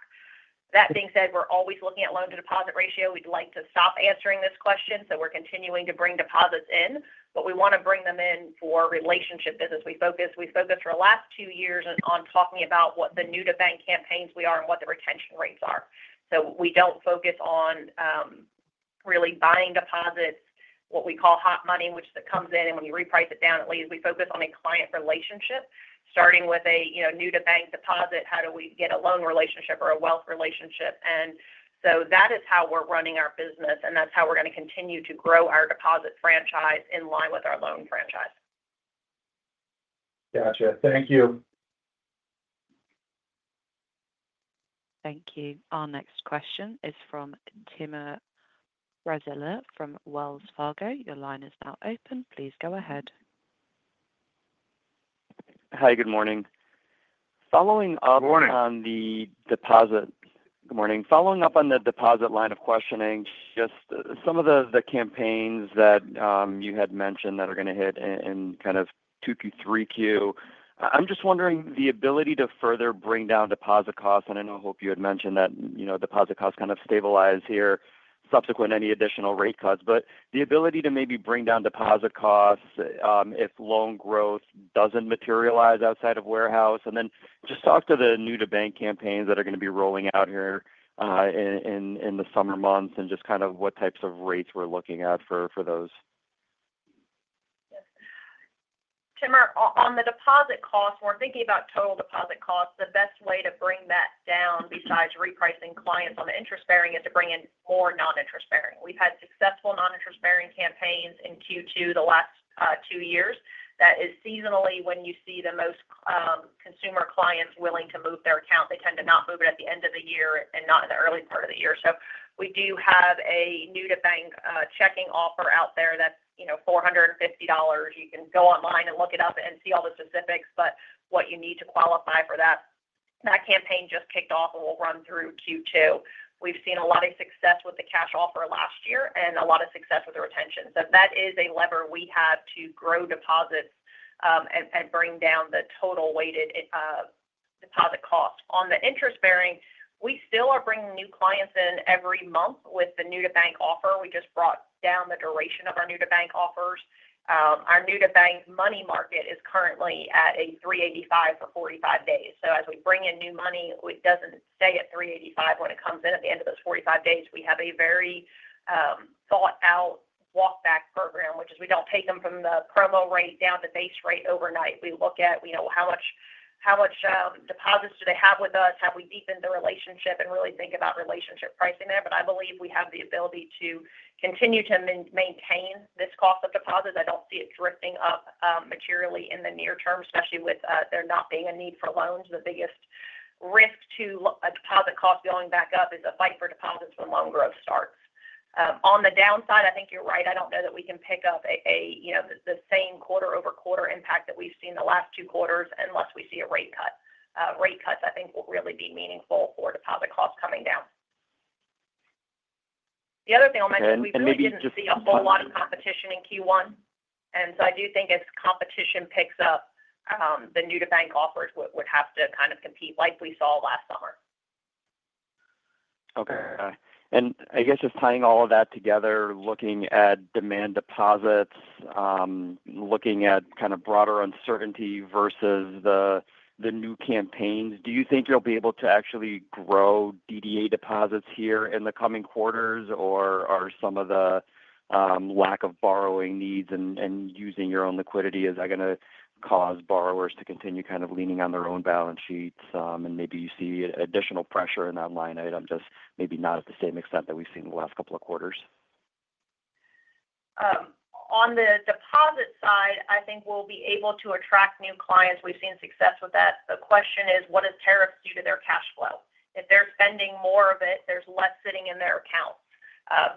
That being said, we're always looking at loan-to-deposit ratio. We'd like to stop answering this question. We're continuing to bring deposits in, but we want to bring them in for relationship business. We focused for the last two years on talking about what the new-to-bank campaigns are and what the retention rates are. We don't focus on really buying deposits, what we call hot money, which comes in, and when you reprice it down, it leaves. We focus on a client relationship, starting with a new-to-bank deposit. How do we get a loan relationship or a wealth relationship? That is how we're running our business, and that's how we're going to continue to grow our deposit franchise in line with our loan franchise. Gotcha. Thank you. Thank you. Our next question is from Timur Braziler from Wells Fargo. Your line is now open. Please go ahead. Hi. Good morning. Following up on the deposit. Good morning. Following up on the deposit line of questioning, just some of the campaigns that you had mentioned that are going to hit in kind of 2Q, 3Q. I'm just wondering the ability to further bring down deposit costs. I know, Hope, you had mentioned that deposit costs kind of stabilize here, subsequent any additional rate cuts. The ability to maybe bring down deposit costs if loan growth does not materialize outside of warehouse. Just talk to the new-to-bank campaigns that are going to be rolling out here in the summer months and just kind of what types of rates we are looking at for those. Timur, on the deposit costs, we are thinking about total deposit costs. The best way to bring that down besides repricing clients on the interest bearing is to bring in more non-interest bearing. We've had successful non-interest bearing campaigns in Q2 the last two years. That is seasonally when you see the most consumer clients willing to move their account. They tend to not move it at the end of the year and not in the early part of the year. We do have a new-to-bank checking offer out there that's $450. You can go online and look it up and see all the specifics, but what you need to qualify for that campaign just kicked off and will run through Q2. We've seen a lot of success with the cash offer last year and a lot of success with the retention. That is a lever we have to grow deposits and bring down the total weighted deposit cost. On the interest bearing, we still are bringing new clients in every month with the new-to-bank offer. We just brought down the duration of our new-to-bank offers. Our new-to-bank money market is currently at a 3.85% for 45 days. As we bring in new money, it does not stay at 3.85% when it comes in at the end of those 45 days. We have a very thought-out walkback program, which is we do not take them from the promo rate down to base rate overnight. We look at how much deposits they have with us, have we deepened the relationship, and really think about relationship pricing there. I believe we have the ability to continue to maintain this cost of deposits. I do not see it drifting up materially in the near term, especially with there not being a need for loans. The biggest risk to deposit costs going back up is the fight for deposits when loan growth starts. On the downside, I think you are right. I don't know that we can pick up the same quarter-over-quarter impact that we've seen the last two quarters unless we see a rate cut. Rate cuts, I think, will really be meaningful for deposit costs coming down. The other thing I'll mention, we really didn't see a whole lot of competition in Q1. I do think as competition picks up, the new-to-bank offers would have to kind of compete like we saw last summer. Okay. I guess just tying all of that together, looking at demand deposits, looking at kind of broader uncertainty versus the new campaigns, do you think you'll be able to actually grow DDA deposits here in the coming quarters, or are some of the lack of borrowing needs and using your own liquidity, is that going to cause borrowers to continue kind of leaning on their own balance sheets and maybe you see additional pressure in that line item just maybe not at the same extent that we've seen the last couple of quarters? On the deposit side, I think we'll be able to attract new clients. We've seen success with that. The question is, what do tariffs do to their cash flow? If they're spending more of it, there's less sitting in their accounts,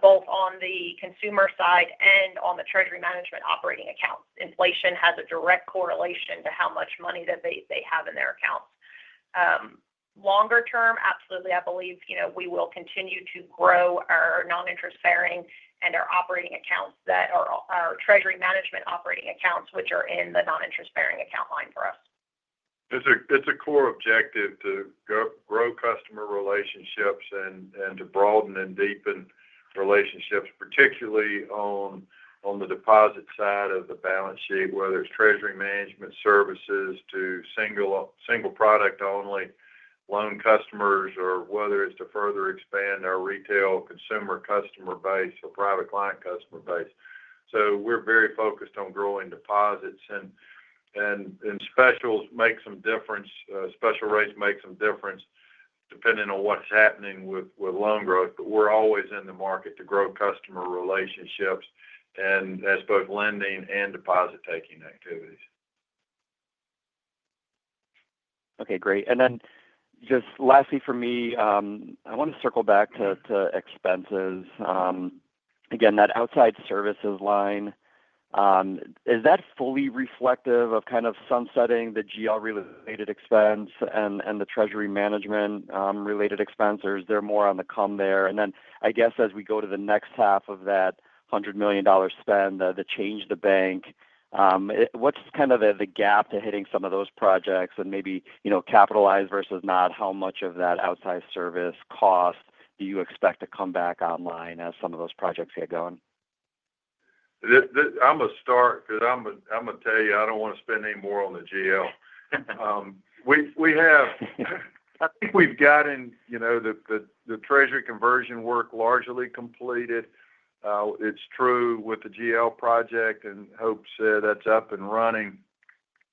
both on the consumer side and on the treasury management operating accounts. Inflation has a direct correlation to how much money that they have in their accounts. Longer term, absolutely. I believe we will continue to grow our non-interest bearing and our operating accounts that are our treasury management operating accounts, which are in the non-interest bearing account line for us. It's a core objective to grow customer relationships and to broaden and deepen relationships, particularly on the deposit side of the balance sheet, whether it's treasury management services to single product-only loan customers or whether it's to further expand our retail consumer customer base or private client customer base. We are very focused on growing deposits, and specials make some difference. Special rates make some difference depending on what's happening with loan growth, but we are always in the market to grow customer relationships as both lending and deposit-taking activities. Okay. Great. Lastly for me, I want to circle back to expenses. Again, that outside services line, is that fully reflective of kind of sunsetting the GL-related expense and the treasury management-related expense, or is there more on the come there? I guess as we go to the next half of that $100 million spend, the Change the Bank, what's kind of the gap to hitting some of those projects and maybe capitalize versus not? How much of that outside service cost do you expect to come back online as some of those projects get going? I'm going to start because I'm going to tell you I don't want to spend any more on the GL. I think we've gotten the treasury conversion work largely completed. It's true with the GL project, and Hope said that's up and running.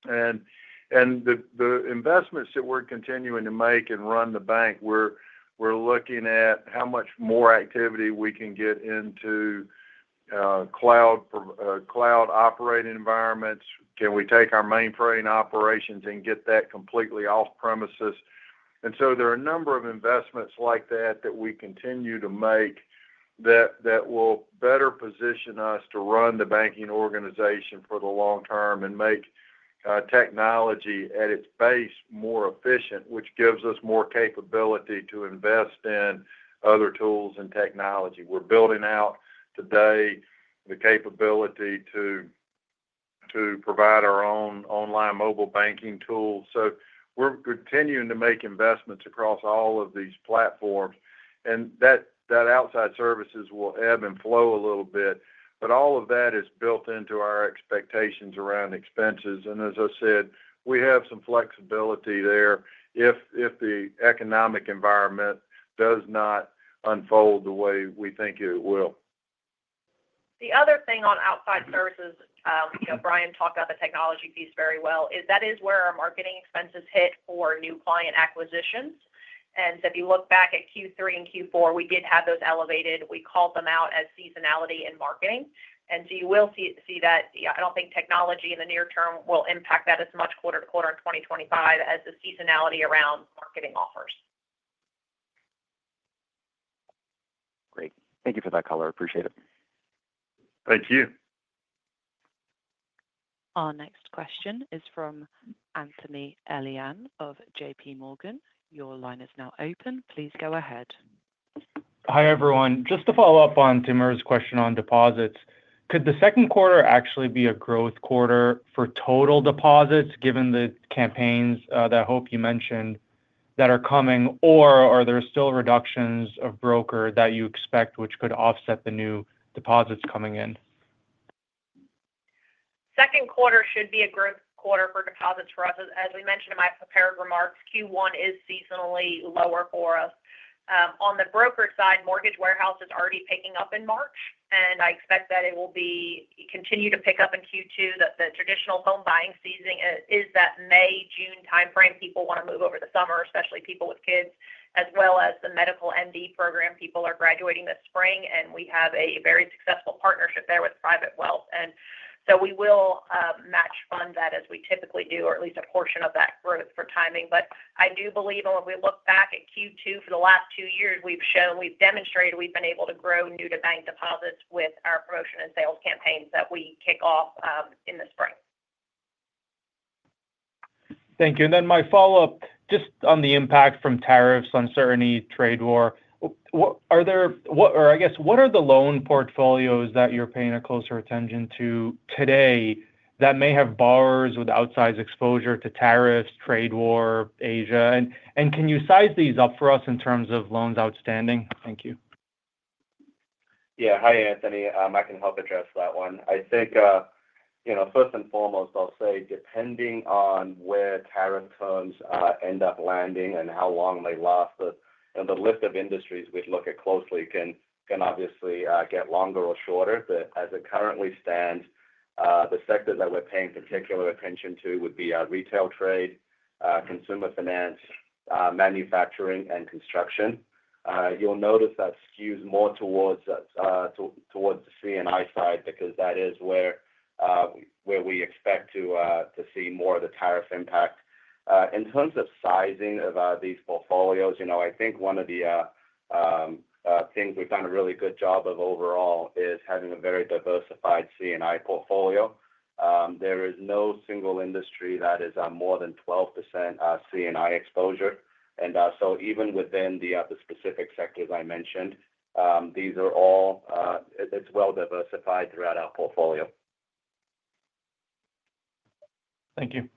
The investments that we're continuing to make and run the bank, we're looking at how much more activity we can get into cloud operating environments. Can we take our mainframe operations and get that completely off-premises? There are a number of investments like that that we continue to make that will better position us to run the banking organization for the long term and make technology at its base more efficient, which gives us more capability to invest in other tools and technology. We're building out today the capability to provide our own online mobile banking tools. We're continuing to make investments across all of these platforms. That outside services will ebb and flow a little bit, but all of that is built into our expectations around expenses. As I said, we have some flexibility there if the economic environment does not unfold the way we think it will. The other thing on outside services, Bryan talked about the technology piece very well, is that is where our marketing expenses hit for new client acquisitions. If you look back at Q3 and Q4, we did have those elevated. We called them out as seasonality in marketing. You will see that. I do not think technology in the near term will impact that as much quarter to quarter in 2025 as the seasonality around marketing offers. Great. Thank you for that, color. Appreciate it. Thank you. Our next question is from Anthony Elian of JPMorgan. Your line is now open. Please go ahead. Hi everyone. Just to follow up on Timur's question on deposits, could the second quarter actually be a growth quarter for total deposits given the campaigns that Hope you mentioned that are coming, or are there still reductions of broker that you expect which could offset the new deposits coming in? Second quarter should be a growth quarter for deposits for us. As we mentioned in my prepared remarks, Q1 is seasonally lower for us. On the broker side, mortgage warehouse is already picking up in March, and I expect that it will continue to pick up in Q2. The traditional home buying season is that May, June timeframe. People want to move over the summer, especially people with kids, as well as the medical MD program. People are graduating this spring, and we have a very successful partnership there with private wealth. We will match fund that as we typically do, or at least a portion of that growth for timing. I do believe when we look back at Q2 for the last two years, we've demonstrated we've been able to grow new-to-bank deposits with our promotion and sales campaigns that we kick off in the spring. Thank you. My follow-up, just on the impact from tariffs, uncertainty, trade war, or I guess what are the loan portfolios that you're paying closer attention to today that may have borrowers with outsized exposure to tariffs, trade war, Asia? Can you size these up for us in terms of loans outstanding? Thank you. Yeah. Hi, Anthony. I can help address that one. I think first and foremost, I'll say depending on where tariff terms end up landing and how long they last, the list of industries we'd look at closely can obviously get longer or shorter. As it currently stands, the sector that we're paying particular attention to would be retail trade, consumer finance, manufacturing, and construction. You'll notice that skews more towards the C&I side because that is where we expect to see more of the tariff impact. In terms of sizing of these portfolios, I think one of the things we've done a really good job of overall is having a very diversified C&I portfolio. There is no single industry that is more than 12% C&I exposure. Even within the specific sectors I mentioned, these are all, it's well-diversified throughout our portfolio. Thank you.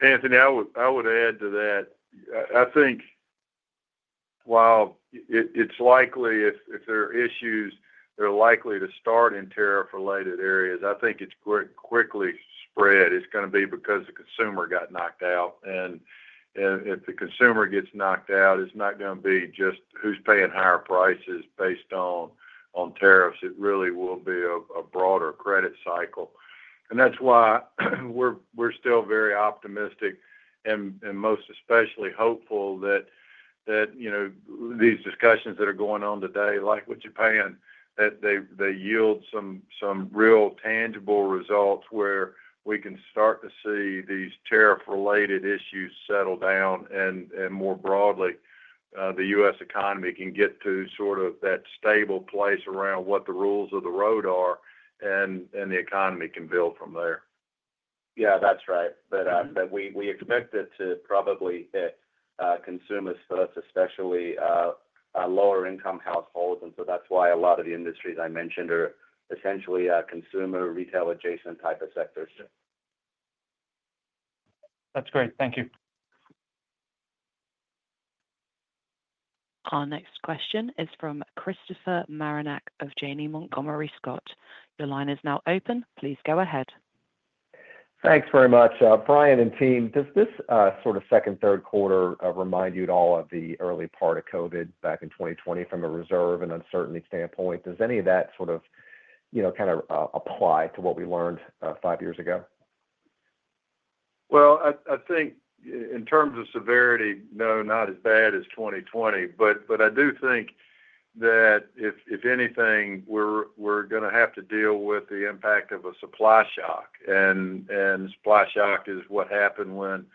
Anthony, I would add to that. I think while it's likely if there are issues, they're likely to start in tariff-related areas, I think it quickly spreads. It's going to be because the consumer got knocked out. If the consumer gets knocked out, it's not going to be just who's paying higher prices based on tariffs. It really will be a broader credit cycle. That is why we're still very optimistic and most especially hopeful that these discussions that are going on today, like with Japan, yield some real tangible results where we can start to see these tariff-related issues settle down. More broadly, the U.S. economy can get to sort of that stable place around what the rules of the road are, and the economy can build from there. Yeah, that's right. We expect it to probably hit consumers first, especially lower-income households. That is why a lot of the industries I mentioned are essentially consumer retail-adjacent type of sectors. That is great. Thank you. Our next question is from Christopher Marinac of Janney Montgomery Scott. Your line is now open. Please go ahead. Thanks very much. Bryan and team, does this sort of second, third quarter remind you at all of the early part of COVID back in 2020 from a reserve and uncertainty standpoint? Does any of that sort of kind of apply to what we learned five years ago? I think in terms of severity, no, not as bad as 2020. I do think that if anything, we are going to have to deal with the impact of a supply shock. Supply shock is what happened when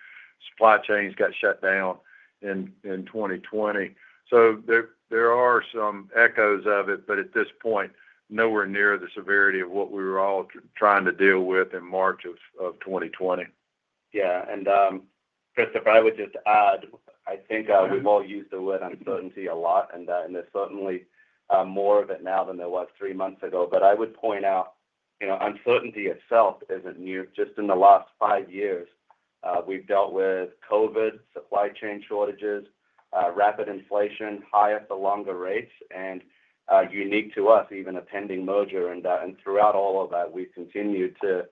supply chains got shut down in 2020. There are some echoes of it, but at this point, nowhere near the severity of what we were all trying to deal with in March of 2020. Yeah. Christopher, I would just add, I think we've all used the word uncertainty a lot, and there's certainly more of it now than there was three months ago. I would point out uncertainty itself isn't new. Just in the last five years, we've dealt with COVID, supply chain shortages, rapid inflation, higher-for-longer rates, and unique to us, even a pending merger. Throughout all of that, we've continued to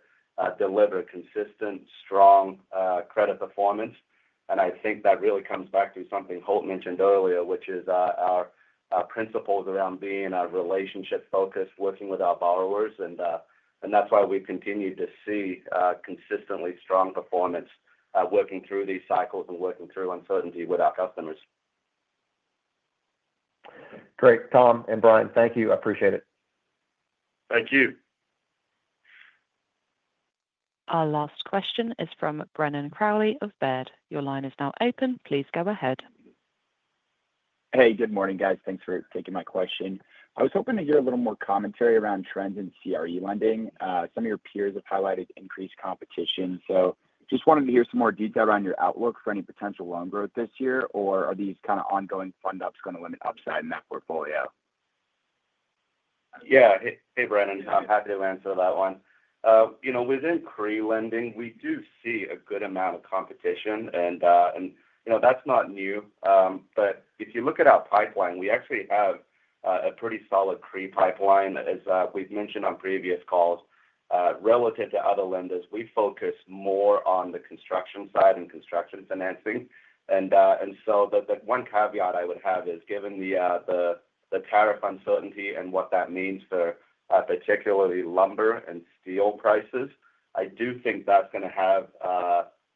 deliver consistent, strong credit performance. I think that really comes back to something Hope mentioned earlier, which is our principles around being relationship-focused, working with our borrowers. That's why we've continued to see consistently strong performance working through these cycles and working through uncertainty with our customers. Great. Tom and Brian, thank you. I appreciate it. Thank you. Our last question is from Brennan Crowley of Baird. Your line is now open. Please go ahead. Hey, good morning, guys. Thanks for taking my question. I was hoping to hear a little more commentary around trends in CRE lending. Some of your peers have highlighted increased competition. Just wanted to hear some more detail around your outlook for any potential loan growth this year, or are these kind of ongoing fund-ups going to limit upside in that portfolio? Yeah. Hey, Brennan. I'm happy to answer that one. Within CRE lending, we do see a good amount of competition, and that's not new. If you look at our pipeline, we actually have a pretty solid CRE pipeline. As we've mentioned on previous calls, relative to other lenders, we focus more on the construction side and construction financing. The one caveat I would have is given the tariff uncertainty and what that means for particularly lumber and steel prices, I do think that's going to have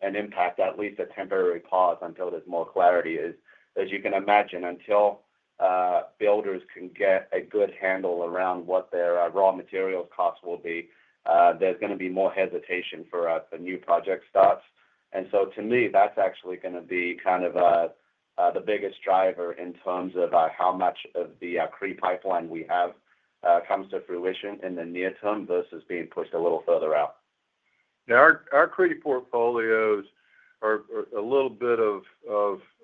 an impact, at least a temporary pause until there's more clarity. As you can imagine, until builders can get a good handle around what their raw materials cost will be, there's going to be more hesitation for the new project starts. To me, that's actually going to be kind of the biggest driver in terms of how much of the CRE pipeline we have comes to fruition in the near term versus being pushed a little further out. Our CRE portfolios are a little bit of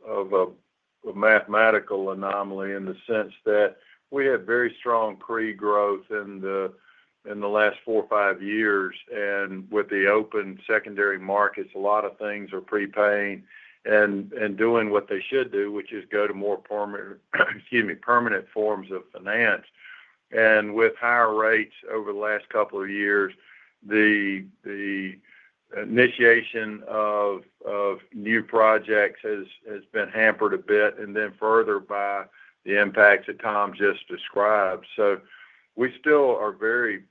a mathematical anomaly in the sense that we have very strong CRE growth in the last four or five years. With the open secondary markets, a lot of things are prepaying and doing what they should do, which is go to more permanent forms of finance. With higher rates over the last couple of years, the initiation of new projects has been hampered a bit, and then further by the impacts that Tom just described. We still are very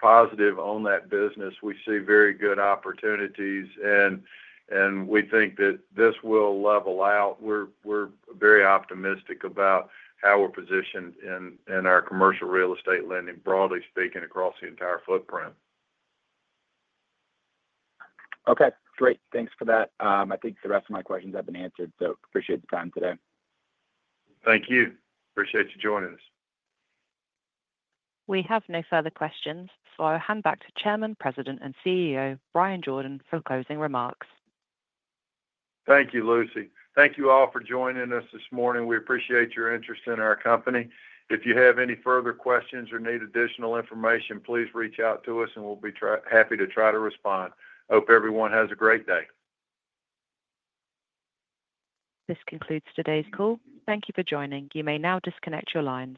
positive on that business. We see very good opportunities, and we think that this will level out. We are very optimistic about how we are positioned in our commercial real estate lending, broadly speaking, across the entire footprint. Okay. Great. Thanks for that. I think the rest of my questions have been answered, so appreciate the time today. Thank you. Appreciate you joining us. We have no further questions, so I will hand back to Chairman, President, and CEO, Bryan Jordan, for closing remarks. Thank you, Lucy. Thank you all for joining us this morning. We appreciate your interest in our company. If you have any further questions or need additional information, please reach out to us, and we'll be happy to try to respond. Hope everyone has a great day. This concludes today's call. Thank you for joining. You may now disconnect your lines.